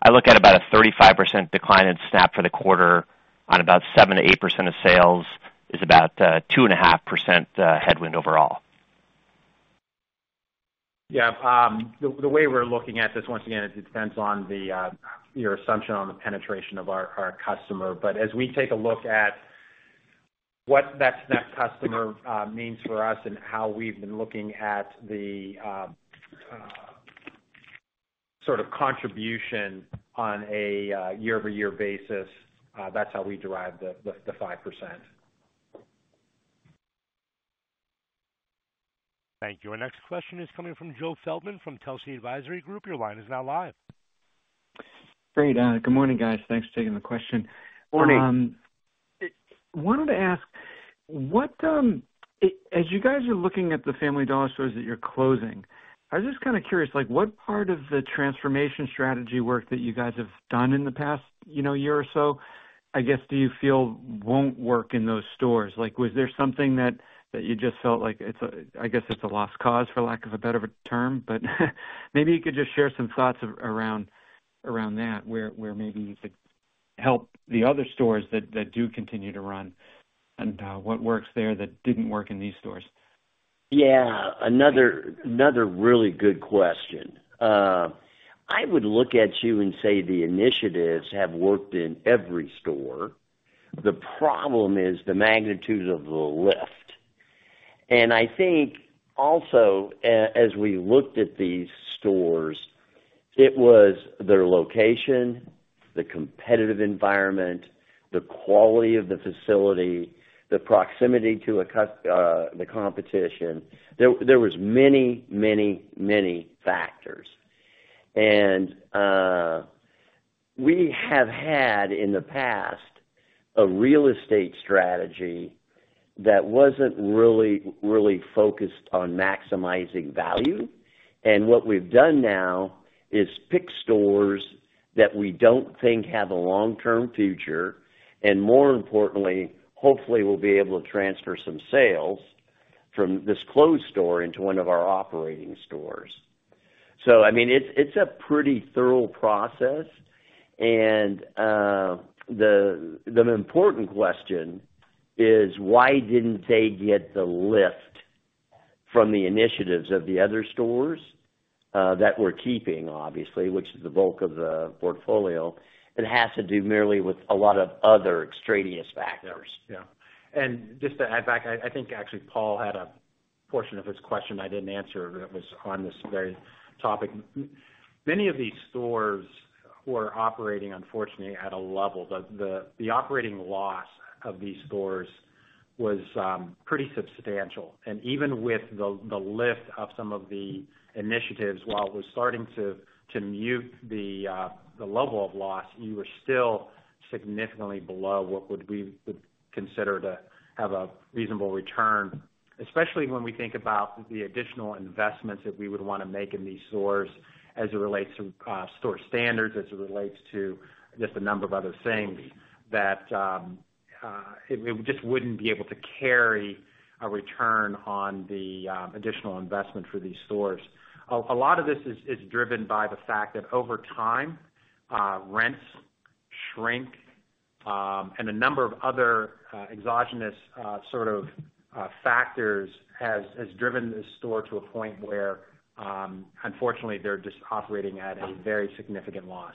I look at about a 35% decline in SNAP for the quarter on about 7%-8% of sales is about 2.5% headwind overall. Yeah. The way we're looking at this once again it depends on your assumption on the penetration of our customer. But as we take a look at what that SNAP customer means for us and how we've been looking at the sort of contribution on a year-over-year basis that's how we derive the 5%. Thank you. Our next question is coming from Joe Feldman from Telsey Advisory Group your line is now live. Great. Good morning guys. Thanks for taking the question. Morning. Wanted to ask what, as you guys are looking at the Family Dollar stores that you're closing, I was just kind of curious what part of the transformation strategy work that you guys have done in the past year or so, I guess. Do you feel won't work in those stores? Was there something that you just felt like, I guess it's a lost cause for lack of a better term, but maybe you could just share some thoughts around that where maybe you could help the other stores that do continue to run and what works there that didn't work in these stores. Yeah. Another really good question. I would look at you and say the initiatives have worked in every store. The problem is the magnitude of the lift. I think also as we looked at these stores it was their location, the competitive environment, the quality of the facility, the proximity to the competition. There was many many many factors. We have had in the past a real estate strategy that wasn't really really focused on maximizing value. What we've done now is pick stores that we don't think have a long term future and more importantly hopefully we'll be able to transfer some sales from this closed store into one of our operating stores. So I mean it's a pretty thorough process and the important question is why didn't they get the lift from the initiatives of the other stores that we're keeping obviously which is the bulk of the portfolio. It has to do merely with a lot of other extraneous factors. Yeah. Just to add back, I think actually Paul had a portion of his question I didn't answer that was on this very topic. Many of these stores were operating, unfortunately, at a level that the operating loss of these stores was pretty substantial. Even with the lift of some of the initiatives, while it was starting to mute the level of loss, you were still significantly below what would be considered to have a reasonable return, especially when we think about the additional investments that we would want to make in these stores as it relates to store standards, as it relates to just a number of other things, that it just wouldn't be able to carry a return on the additional investment for these stores. A lot of this is driven by the fact that over time rents shrink and a number of other exogenous sort of factors has driven the store to a point where unfortunately they're just operating at a very significant loss.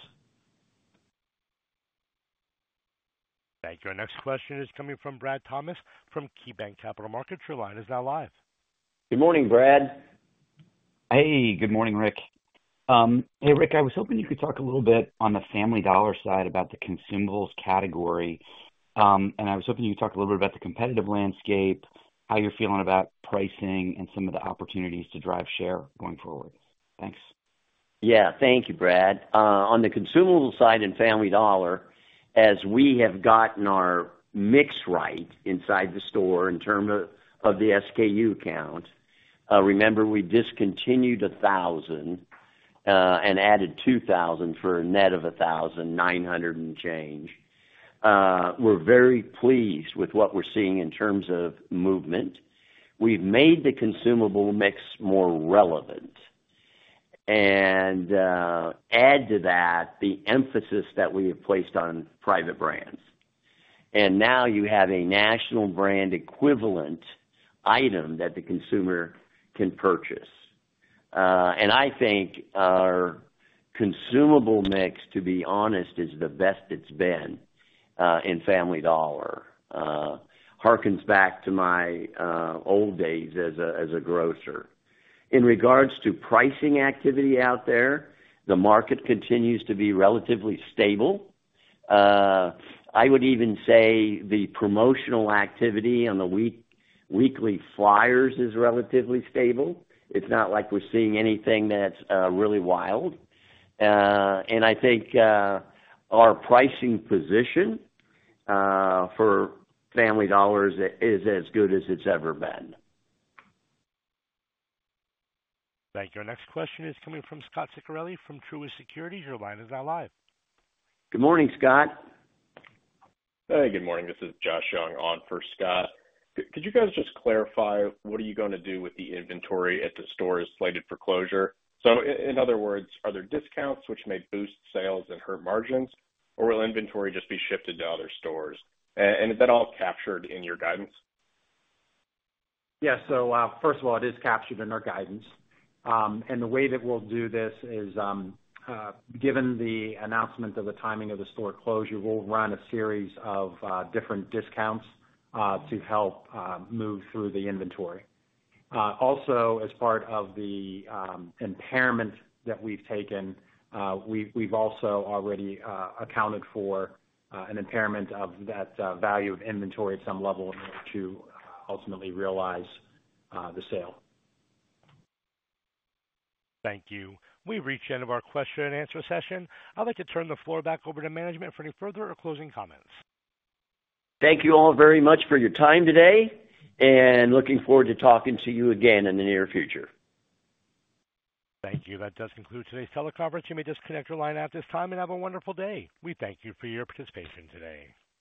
Thank you. Our next question is coming from Brad Thomas from KeyBanc Capital Markets. Your line is now live. Good morning, Brad. Hey. Good morning, Rick. Hey, Rick. I was hoping you could talk a little bit on the Family Dollar side about the consumables category, and I was hoping you could talk a little bit about the competitive landscape, how you're feeling about pricing, and some of the opportunities to drive share going forward. Thanks. Yeah. Thank you, Brad. On the consumables side in Family Dollar as we have gotten our mix right inside the store in terms of the SKU count, remember we discontinued 1,000 and added 2,000 for a net of 1,900 and change. We're very pleased with what we're seeing in terms of movement. We've made the consumable mix more relevant and add to that the emphasis that we have placed on private brands. And now you have a national brand equivalent item that the consumer can purchase. And I think our consumable mix to be honest is the best it's been in Family Dollar. Harkens back to my old days as a grocer. In regards to pricing activity out there the market continues to be relatively stable. I would even say the promotional activity on the weekly flyers is relatively stable. It's not like we're seeing anything that's really wild. I think our pricing position for Family Dollar's is as good as it's ever been. Thank you. Our next question is coming from Scott Ciccarelli from Truist Securities. Your line is now live. Good morning, Scott. Hey. Good morning. This is Josh Young on for Scott. Could you guys just clarify what are you going to do with the inventory at the stores slated for closure? So in other words are there discounts which may boost sales and hurt margins or will inventory just be shifted to other stores? And is that all captured in your guidance? Yeah. So first of all it is captured in our guidance. And the way that we'll do this is given the announcement of the timing of the store closure we'll run a series of different discounts to help move through the inventory. Also, as part of the impairment that we've taken, we've also already accounted for an impairment of that value of inventory at some level in order to ultimately realize the sale. Thank you. We've reached the end of our question and answer session. I'd like to turn the floor back over to management for any further or closing comments. Thank you all very much for your time today and looking forward to talking to you again in the near future. Thank you. That does conclude today's teleconference. You may disconnect your line at this time and have a wonderful day. We thank you for your participation today.